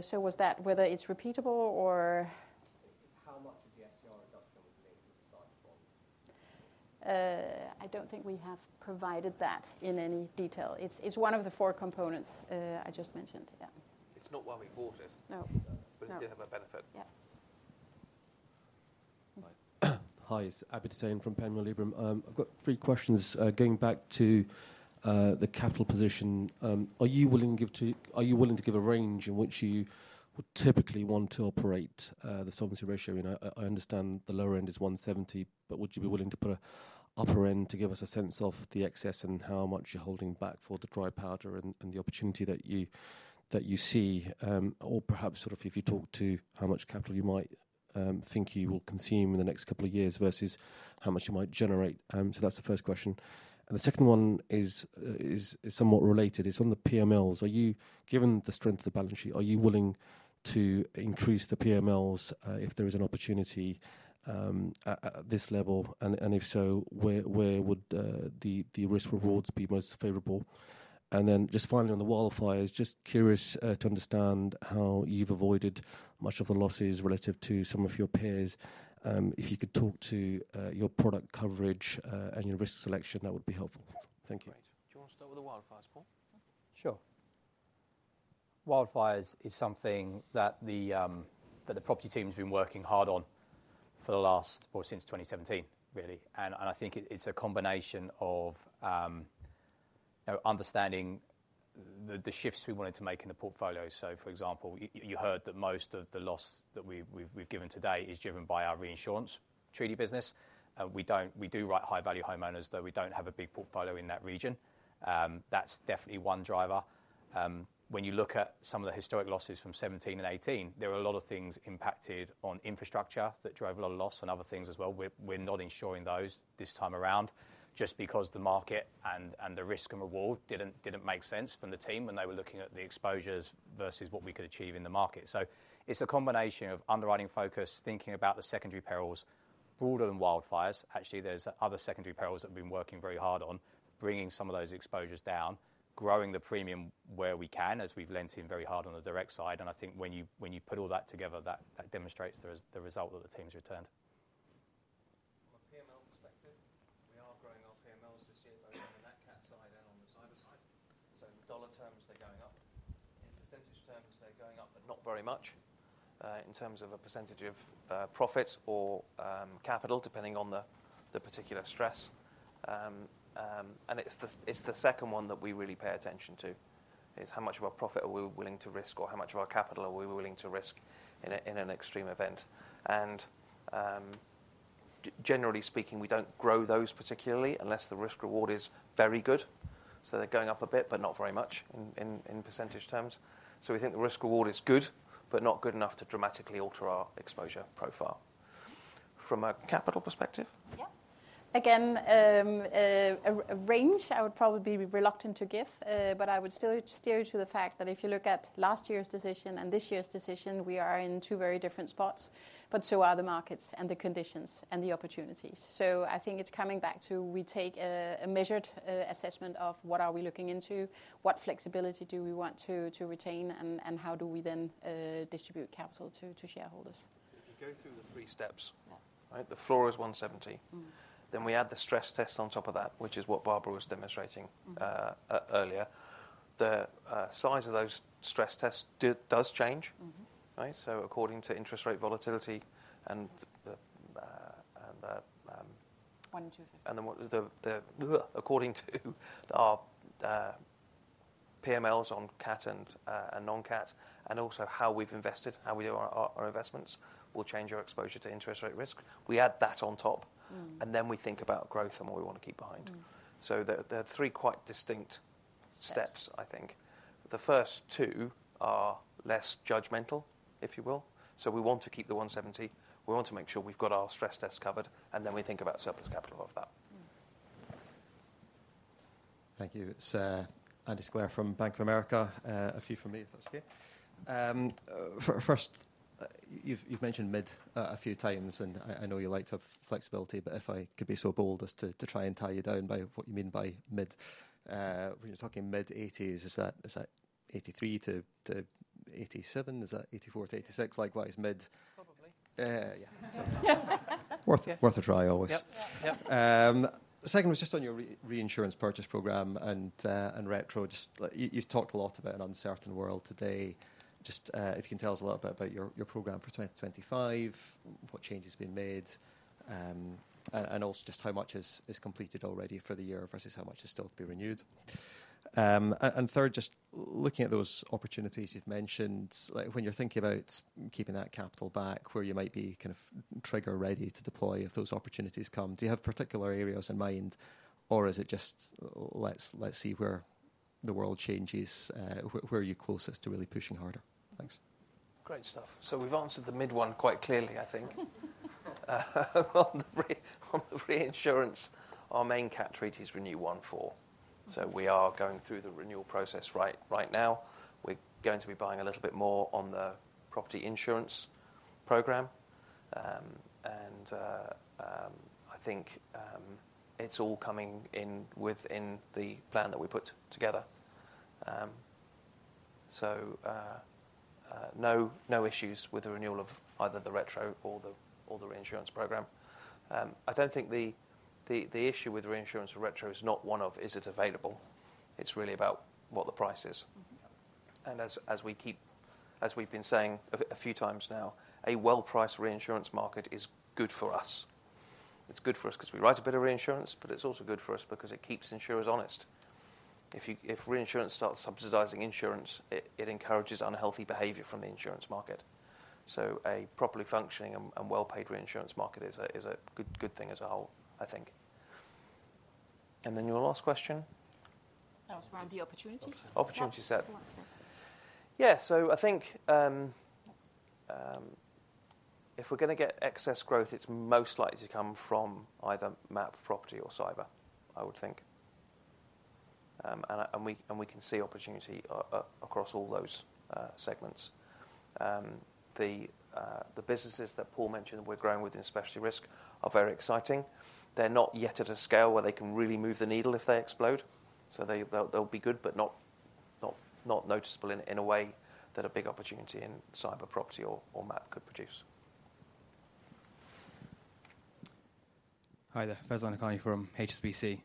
So was that whether it's repeatable or... How much of the SCR reduction would you need with the cyber bond? I don't think we have provided that in any detail. It's one of the four components I just mentioned. Yeah. It's not why we bought it. No. But it did have a benefit. Yeah. Hi, it's Abid Hussain from Panmure Liberum. I've got three questions going back to the capital position. Are you willing to give a range in which you would typically want to operate the solvency ratio? I understand the lower end is 170, but would you be willing to put an upper end to give us a sense of the excess and how much you're holding back for the dry powder and the opportunity that you see? Or perhaps sort of if you talk to how much capital you might think you will consume in the next couple of years versus how much you might generate. So that's the first question. And the second one is somewhat related. It's on the PMLs. Given the strength of the balance sheet, are you willing to increase the PMLs if there is an opportunity at this level? And if so, where would the risk-rewards be most favorable? And then just finally on the wildfires, just curious to understand how you've avoided much of the losses relative to some of your peers. If you could talk to your product coverage and your risk selection, that would be helpful. Thank you. Do you want to start with the wildfires, Paul? Sure. Wildfires is something that the property team has been working hard on for the last, well, since 2017, really. I think it's a combination of understanding the shifts we wanted to make in the portfolio. For example, you heard that most of the loss that we've given today is driven by our reinsurance treaty business. We do write high-value homeowners, though we don't have a big portfolio in that region. That's definitely one driver. When you look at some of the historic losses from 2017 and 2018, there were a lot of things impacted on infrastructure that drove a lot of loss and other things as well. We're not insuring those this time around just because the market and the risk and reward didn't make sense from the team when they were looking at the exposures versus what we could achieve in the market. It's a combination of underwriting focus, thinking about the secondary perils broader than wildfires. Actually, there's other secondary perils that we've been working very hard on, bringing some of those exposures down, growing the premium where we can, as we've leaned in very hard on the direct side. And I think when you put all that together, that demonstrates the result that the team has returned. From a PML perspective, we are growing our PMLs this year both on the nat cat side and on the cyber side. So in dollar terms, they're going up. In percentage terms, they're going up, but not very much in terms of a percentage of profits or capital, depending on the particular stress. And it's the second one that we really pay attention to, is how much of our profit are we willing to risk or how much of our capital are we willing to risk in an extreme event. Generally speaking, we don't grow those particularly unless the risk-reward is very good. They're going up a bit, but not very much in percentage terms. We think the risk-reward is good, but not good enough to dramatically alter our exposure profile. From a capital perspective? Yeah. Again, a range I would probably be reluctant to give, but I would still steer you to the fact that if you look at last year's decision and this year's decision, we are in two very different spots, but so are the markets and the conditions and the opportunities. I think it's coming back to we take a measured assessment of what are we looking into, what flexibility do we want to retain, and how do we then distribute capital to shareholders. If you go through the three steps, the floor is 170. Then we add the stress tests on top of that, which is what Barbara was demonstrating earlier. The size of those stress tests does change. So according to interest rate volatility and the 1-in-250. And then according to our PMLs CAT and non-CAT, and also how we've invested, how we do our investments, will change our exposure to interest rate risk. We add that on top, and then we think about growth and what we want to keep behind. So there are three quite distinct steps, I think. The first two are less judgmental, if you will. So we want to keep the 170. We want to make sure we've got our stress tests covered, and then we think about surplus capital off that. Thank you. Andrew Sinclair from Bank of America. A few from me, if that's okay. First, you've mentioned mid a few times, and I know you like to have flexibility, but if I could be so bold as to try and tie you down by what you mean by mid. When you're talking mid-80s, is that 1983 to 1987? Is that 1984 to 1986? Likewise, mid. Probably. Yeah. Worth a try always. Second was just on your reinsurance purchase program and retro. You've talked a lot about an uncertain world today. Just if you can tell us a little bit about your program for 2025, what change has been made, and also just how much is completed already for the year versus how much has still to be renewed. And third, just looking at those opportunities you've mentioned, when you're thinking about keeping that capital back, where you might be kind of trigger ready to deploy if those opportunities come, do you have particular areas in mind, or is it just let's see where the world changes? Where are you closest to really pushing harder? Thanks. Great stuff. So we've answered the mid one quite clearly, I think. On the reinsurance, our main CAT treaty is Renew 1/4. So we are going through the renewal process right now. We're going to be buying a little bit more on the property insurance program. And I think it's all coming in within the plan that we put together. So no issues with the renewal of either the retro or the reinsurance program. I don't think the issue with reinsurance or retro is not one of is it available. It's really about what the price is. And as we've been saying a few times now, a well-priced reinsurance market is good for us. It's good for us because we write a bit of reinsurance, but it's also good for us because it keeps insurers honest. If reinsurance starts subsidizing insurance, it encourages unhealthy behavior from the insurance market. So a properly functioning and well-paid reinsurance market is a good thing as a whole, I think. And then your last question? That was around the opportunities. Opportunities set. Yeah. So I think if we're going to get excess growth, it's most likely to come from either MAP property or cyber, I would think. And we can see opportunity across all those segments. The businesses that Paul mentioned we're growing with in Specialty Risk are very exciting. They're not yet at a scale where they can really move the needle if they explode. So they'll be good, but not noticeable in a way that a big opportunity in cyber, property or MAP could produce. Hi there. Faizan Lakhani from HSBC.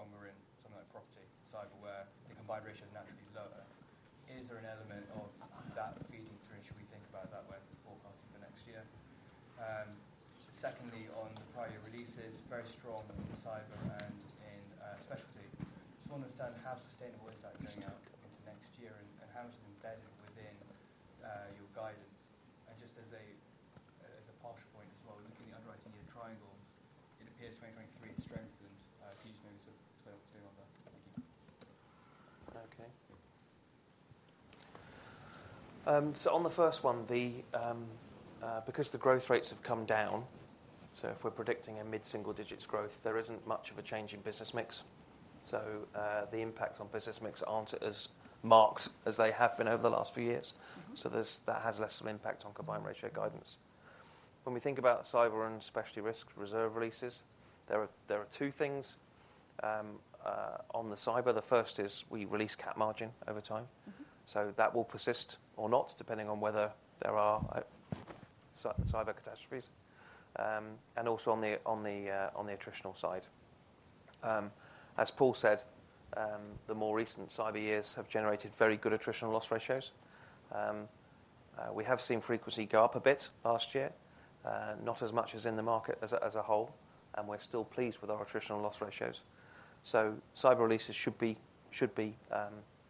Firstly, congratulations on very good set of results. Thank you. Coming back to the combined ratio guidance, but from a slightly different angle. One element that wasn't discussed was business mix change. And as you've highlighted in the last answer, the growth opportunities are very strong in something like property and cyber, where the combined ratio is naturally lower. Is there an element of that feeding through? Should we think about that when forecasting for next year? Secondly, on the prior year releases, very strong in cyber and in specialty. Just want to understand how sustainable is that going out into next year and how much is embedded within your guidance? And just as a partial point as well, looking at the underwriting year triangles, it appears 2023 has strengthened. Can you just maybe explain what's going on there? Thank you. Okay. So on the first one, because the growth rates have come down, so if we're predicting a mid-single digits growth, there isn't much of a change in business mix. So the impacts on business mix aren't as marked as they have been over the last few years. So that has less of an impact on combined ratio guidance. When we think about Cyber and Specialty Risk reserve releases, there are two things. On the cyber, the first is we release CAT margin over time. So that will persist or not, depending on whether there are cyber catastrophes. Also on the attritional side. As Paul said, the more recent cyber years have generated very good attritional loss ratios. We have seen frequency go up a bit last year, not as much as in the market as a whole. We're still pleased with our attritional loss ratios. Cyber releases should be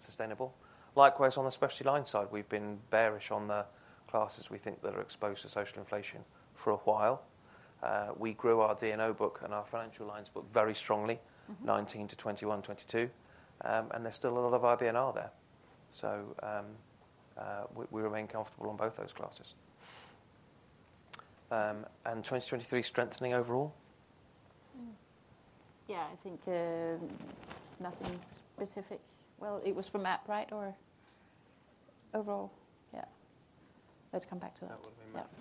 sustainable. Likewise, on the specialty line side, we've been bearish on the classes we think that are exposed to social inflation for a while. We grew our D&O book and our financial lines book very strongly, 2019 to 2021, 2022. There's still a lot of our D&O there. We remain comfortable on both those classes. 2023 strengthening overall? Yeah, I think nothing specific. It was for MAP, right? Or overall? Yeah. Let's come back to that. That would have been MAP. Yeah.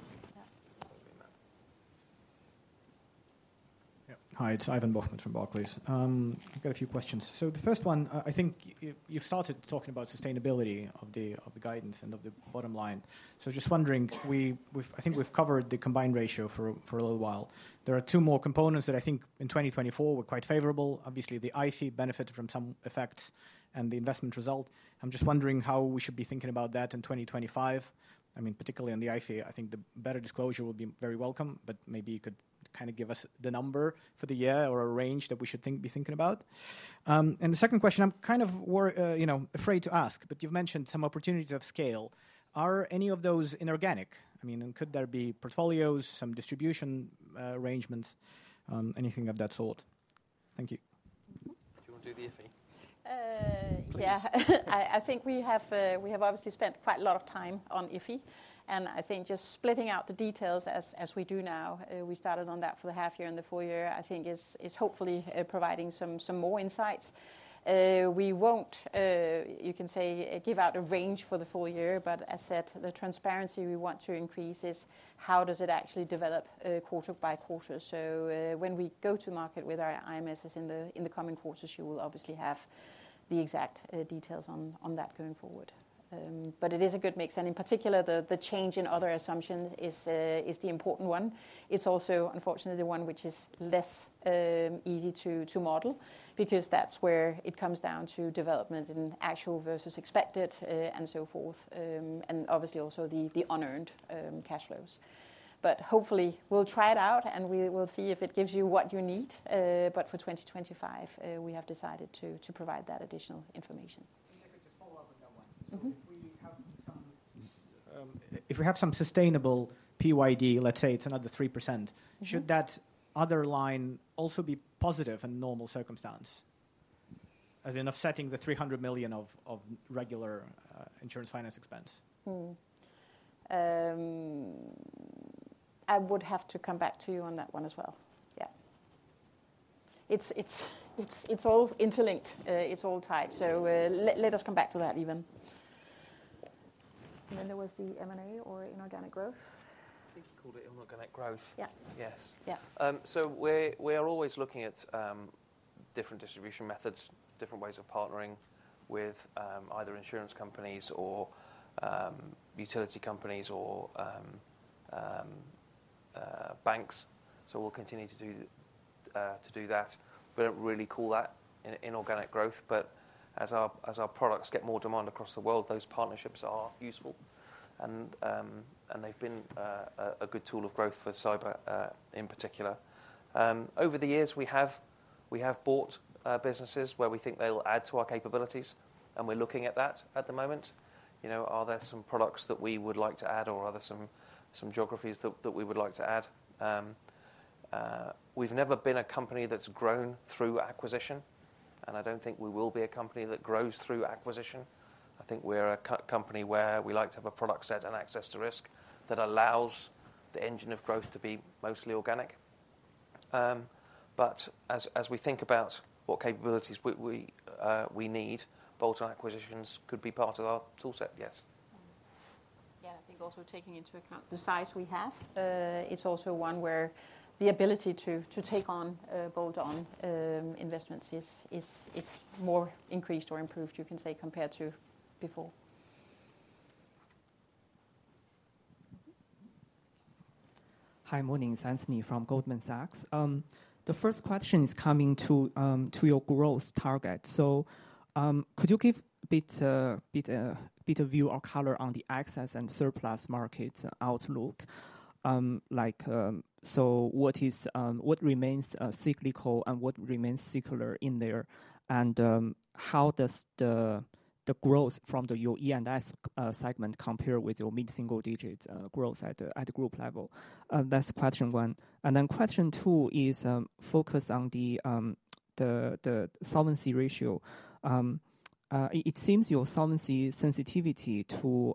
That would have been MAP. Hi, it's Ivan Bokhmat from Barclays. I've got a few questions. So the first one, I think you've started talking about sustainability of the guidance and of the bottom line. So just wondering, I think we've covered the combined ratio for a little while. There are two more components that I think in 2024 were quite favorable. Obviously, the FI benefited from some effects and the investment result. I'm just wondering how we should be thinking about that in 2025. I mean, particularly on the FI, I think the better disclosure would be very welcome, but maybe you could kind of give us the number for the year or a range that we should be thinking about. And the second question, I'm kind of afraid to ask, but you've mentioned some opportunities of scale. Are any of those inorganic? I mean, could there be portfolios, some distribution arrangements, anything of that sort? Thank you. Do you want to do the FI? Yeah. I think we have obviously spent quite a lot of time on FI, and I think just splitting out the details as we do now, we started on that for the half year and the full year, I think is hopefully providing some more insights. We won't, you can say, give out a range for the full year, but as said, the transparency we want to increase is how does it actually develop quarter by quarter, so when we go to market with our IMSs in the coming quarters, you will obviously have the exact details on that going forward, but it is a good mix, and in particular, the change in other assumptions is the important one. It's also, unfortunately, the one which is less easy to model because that's where it comes down to development and actual versus expected and so forth, and obviously also the unearned cash flows. But hopefully, we'll try it out and we will see if it gives you what you need. But for 2025, we have decided to provide that additional information. If I could just follow up on that one. So if we have some sustainable PYD, let's say it's another 3%, should that other line also be positive in normal circumstance? As in offsetting the $300 million of regular insurance finance expense? I would have to come back to you on that one as well. Yeah. It's all interlinked. It's all tied. So let us come back to that, even. And then there was the M&A or inorganic growth? I think you called it inorganic growth. Yeah. Yes. So we are always looking at different distribution methods, different ways of partnering with either insurance companies or utility companies or banks. So we'll continue to do that. We don't really call that inorganic growth, but as our products get more demand across the world, those partnerships are useful. And they've been a good tool of growth for cyber in particular. Over the years, we have bought businesses where we think they'll add to our capabilities, and we're looking at that at the moment. Are there some products that we would like to add, or are there some geographies that we would like to add? We've never been a company that's grown through acquisition, and I don't think we will be a company that grows through acquisition. I think we're a company where we like to have a product set and access to risk that allows the engine of growth to be mostly organic. But as we think about what capabilities we need, bolt-on acquisitions could be part of our toolset, yes. Yeah, I think also taking into account the size we have, it's also one where the ability to take on bolt-on investments is more increased or improved, you can say, compared to before. Hi, morning, Anthony from Goldman Sachs. The first question is coming to your growth target. So could you give a bit of view or color on the excess and surplus market outlook? So what remains cyclical and what remains structural in there? And how does the growth from your E&S segment compare with your mid-single digit growth at the group level? That's question one. And then question two is focused on the solvency ratio. It seems your solvency sensitivity to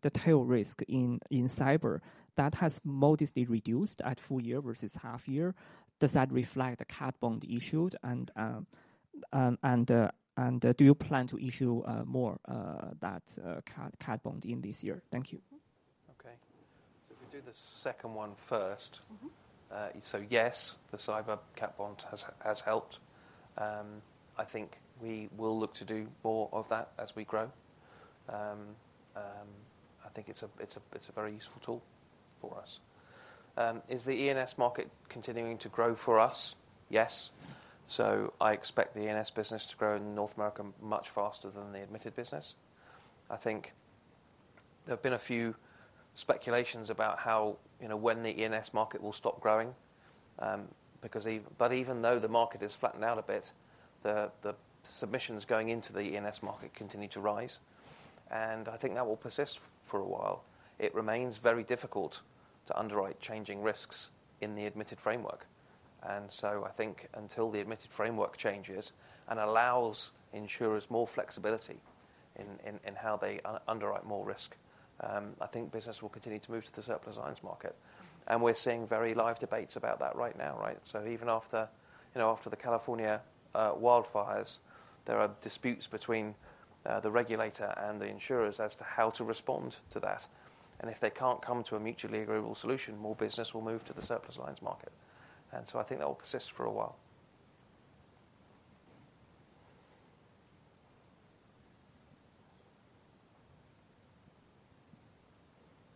the tail risk in cyber that has modestly reduced at full year versus half year. Does that reflect a cat bond issued? And do you plan to issue more of that cat bond in this year? Thank you. Okay. So if we do the second one first, so yes, the cyber cat bond has helped. I think we will look to do more of that as we grow. I think it is a very useful tool for us. Is the E&S market continuing to grow for us? Yes. So I expect the E&S business to grow in North America much faster than the admitted business. I think there have been a few speculations about when the E&S market will stop growing. But even though the market has flattened out a bit, the submissions going into the E&S market continue to rise. And I think that will persist for a while. It remains very difficult to underwrite changing risks in the admitted framework. And so I think until the admitted framework changes and allows insurers more flexibility in how they underwrite more risk, I think business will continue to move to the surplus lines market. And we're seeing very live debates about that right now, right? So even after the California wildfires, there are disputes between the regulator and the insurers as to how to respond to that. And if they can't come to a mutually agreeable solution, more business will move to the surplus lines market. And so I think that will persist for a while.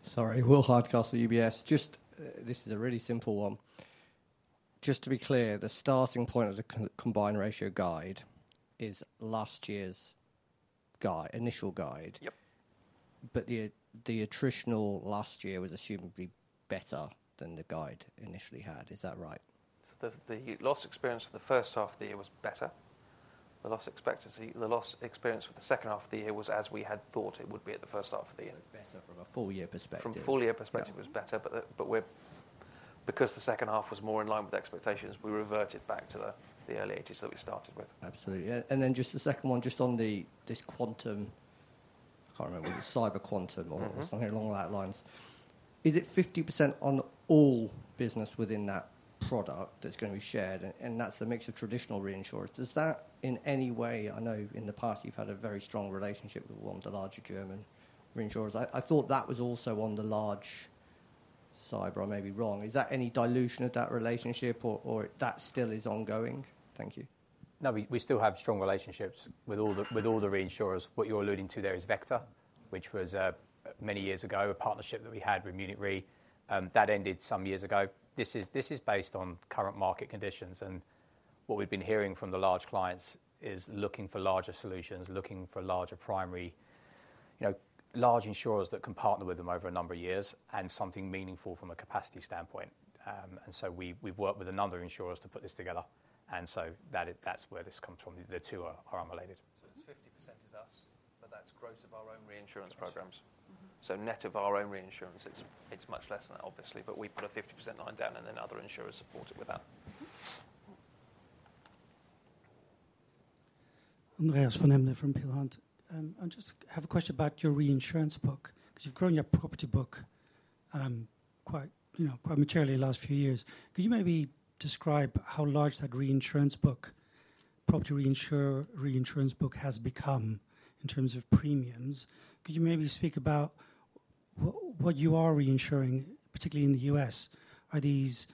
Sorry, Will Hardcastle at UBS. This is a really simple one. Just to be clear, the starting point of the combined ratio guide is last year's initial guide. But the attritional last year was assumed to be better than the guide initially had. Is that right? So the loss experience for the first half of the year was better. The loss experience for the second half of the year was as we had thought it would be at the first half of the year. Better from a full year perspective. From a full year perspective, it was better. But because the second half was more in line with expectations, we reverted back to the early 80s that we started with. Absolutely. And then just the second one, just on this Quantum, I can't remember what it was, cyber Quantum or something along those lines. Is it 50% on all business within that product that's going to be shared? That's a mix of traditional reinsurers. Does that in any way, I know in the past you've had a very strong relationship with one of the larger German reinsurers. I thought that was also on the large cyber, I may be wrong. Is that any dilution of that relationship or that still is ongoing? Thank you. No, we still have strong relationships with all the reinsurers. What you're alluding to there is Vector, which was many years ago a partnership that we had with Munich Re. That ended some years ago. This is based on current market conditions, and what we've been hearing from the large clients is looking for larger solutions, looking for larger primary, large insurers that can partner with them over a number of years and something meaningful from a capacity standpoint, and so we've worked with a number of insurers to put this together. And so that's where this comes from. The two are unrelated. So it's 50% is us, but that's gross of our own reinsurance programs. So net of our own reinsurance, it's much less than that, obviously. But we put a 50% line down and then other insurers support it with that. Andreas van Embden from Peel Hunt. I just have a question about your reinsurance book. Because you've grown your property book quite materially in the last few years. Could you maybe describe how large that reinsurance book, property reinsurance book has become in terms of premiums? Could you maybe speak about what you are reinsuring, particularly in the U.S.? Are these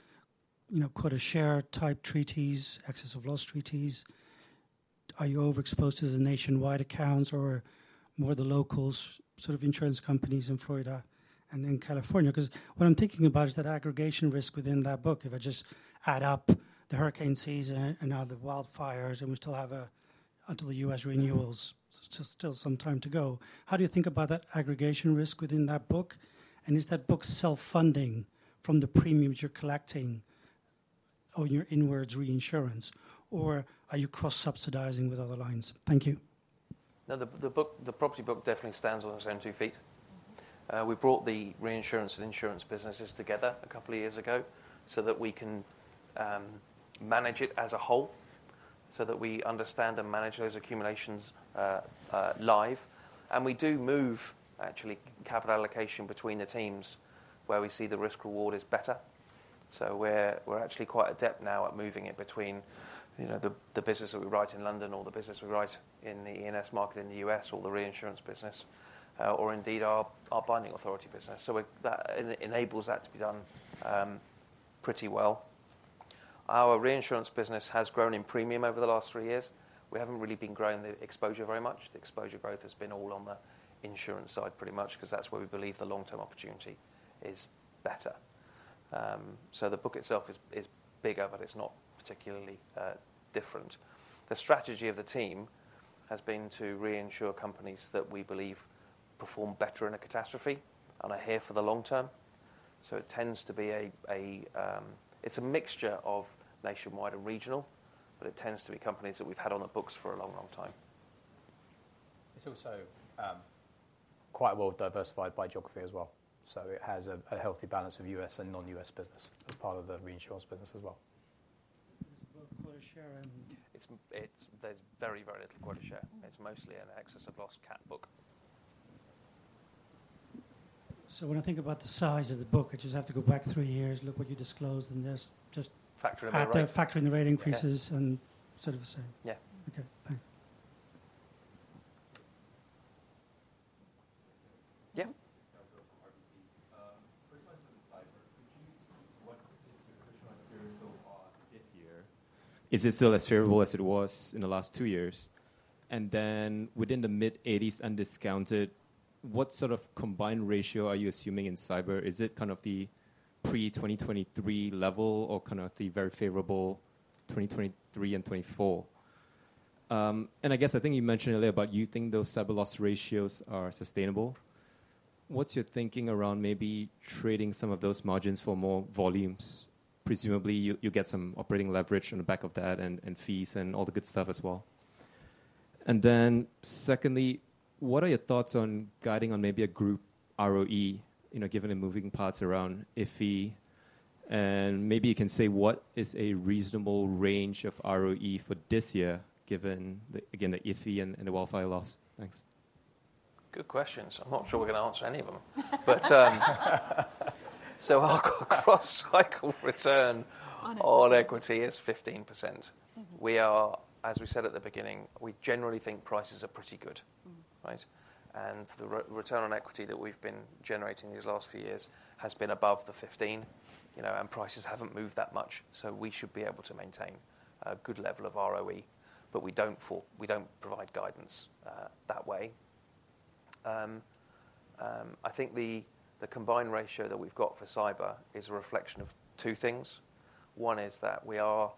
quota share type treaties, excess of loss treaties? Are you overexposed to the nationwide accounts or more the local sort of insurance companies in Florida and in California? Because what I'm thinking about is that aggregation risk within that book. If I just add up the hurricane season and now the wildfires, and we still have until the U.S. renewals, still some time to go. How do you think about that aggregation risk within that book? And is that book self-funding from the premiums you're collecting on your inwards reinsurance? Or are you cross-subsidizing with other lines? Thank you. No, the property book definitely stands on its own two feet. We brought the reinsurance and insurance businesses together a couple of years ago so that we can manage it as a whole, so that we understand and manage those accumulations live. And we do move, actually, capital allocation between the teams where we see the risk-reward is better. So we're actually quite adept now at moving it between the business that we write in London or the business we write in the E&S market in the U.S. or the reinsurance business, or indeed our binding authority business. So that enables that to be done pretty well. Our reinsurance business has grown in premium over the last three years. We haven't really been growing the exposure very much. The exposure growth has been all on the insurance side pretty much because that's where we believe the long-term opportunity is better. So the book itself is bigger, but it's not particularly different. The strategy of the team has been to reinsure companies that we believe perform better in a catastrophe and are here for the long term. So it tends to be a mixture of nationwide and regional, but it tends to be companies that we've had on the books for a long, long time. It's also quite well diversified by geography as well. So it has a healthy balance of U.S. and non-U.S. business as part of the reinsurance business as well. There's very, very little quota share. It's mostly an excess of loss CAT book. So when I think about the size of the book, I just have to go back three years, look what you disclosed, and just factor in the rate increases and sort of the same. Yeah. Okay. Thanks. Yeah. This is Derald Goh from RBC. First question is cyber. Could you speak to what is your attritional experience so far this year? Is it still as favorable as it was in the last two years? And then within the mid-80s and discounted, what sort of combined ratio are you assuming in cyber? Is it kind of the pre-2023 level or kind of the very favorable 2023 and 2024? And I guess I think you mentioned earlier about you think those cyber loss ratios are sustainable. What's your thinking around maybe trading some of those margins for more volumes? Presumably, you'll get some operating leverage on the back of that and fees and all the good stuff as well. And then secondly, what are your thoughts on guiding on maybe a group ROE, given the moving parts around FI? And maybe you can say what is a reasonable range of ROE for this year, given, again, the FI and the wildfire loss? Thanks. Good questions. I'm not sure we're going to answer any of them. Our cross-cycle return on equity is 15%. As we said at the beginning, we generally think prices are pretty good, right? The return on equity that we've been generating these last few years has been above the 15%, and prices haven't moved that much. We should be able to maintain a good level of ROE, but we don't provide guidance that way. I think the combined ratio that we've got for cyber is a reflection of two things. One is that we are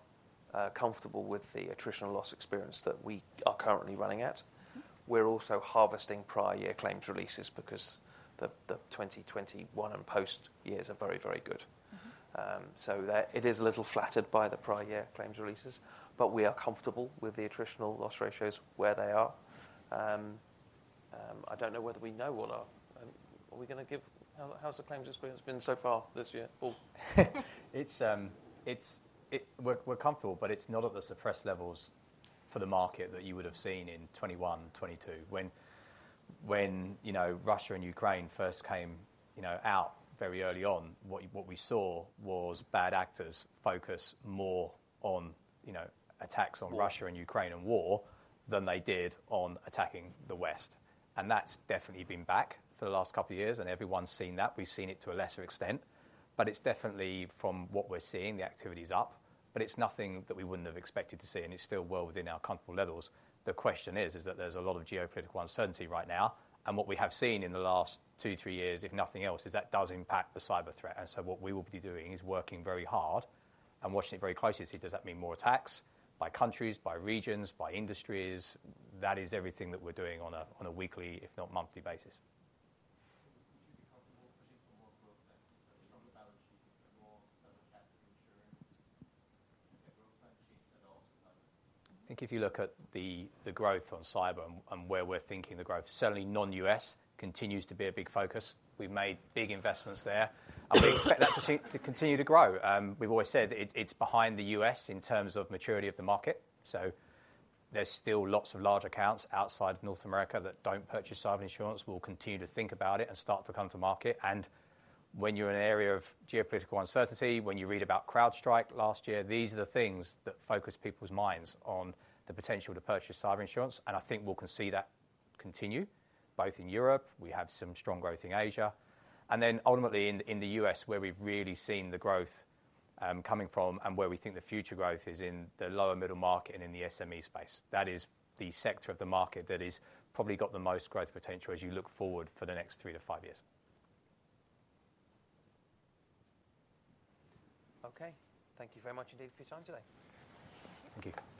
comfortable with the attritional loss experience that we are currently running at. We're also harvesting prior year claims releases because the 2021 and post years are very, very good. It is a little flattered by the prior year claims releases, but we are comfortable with the attritional loss ratios where they are. I don't know whether we know what we are going to give? How's the claims experience been so far this year? We're comfortable, but it's not at the suppressed levels for the market that you would have seen in 2021, 2022. When Russia and Ukraine first broke out very early on, what we saw was bad actors focus more on attacks on Russia and Ukraine and war than they did on attacking the West. And that's definitely been back for the last couple of years, and everyone's seen that. We've seen it to a lesser extent, but it's definitely, from what we're seeing, the activity is up, but it's nothing that we wouldn't have expected to see, and it's still well within our comfortable levels. The question is that there's a lot of geopolitical uncertainty right now. What we have seen in the last two, three years, if nothing else, is that does impact the cyber threat. What we will be doing is working very hard and watching it very closely to see does that mean more attacks by countries, by regions, by industries. That is everything that we're doing on a weekly, if not monthly basis. Would you be comfortable pushing for more growth then? From the balance sheet, more subject to reinsurance, is there growth plan changed at all to cyber? I think if you look at the growth on cyber and where we're thinking the growth, certainly non-U.S. continues to be a big focus. We've made big investments there. We expect that to continue to grow. We've always said it's behind the U.S. in terms of maturity of the market. So there's still lots of large accounts outside of North America that don't purchase cyber insurance. We'll continue to think about it and start to come to market. And when you're in an area of geopolitical uncertainty, when you read about CrowdStrike last year, these are the things that focus people's minds on the potential to purchase cyber insurance. And I think we'll see that continue both in Europe. We have some strong growth in Asia. And then ultimately in the U.S., where we've really seen the growth coming from and where we think the future growth is in the lower middle market and in the SME space. That is the sector of the market that has probably got the most growth potential as you look forward for the next three to five years. Okay. Thank you very much indeed for your time today. Thank you.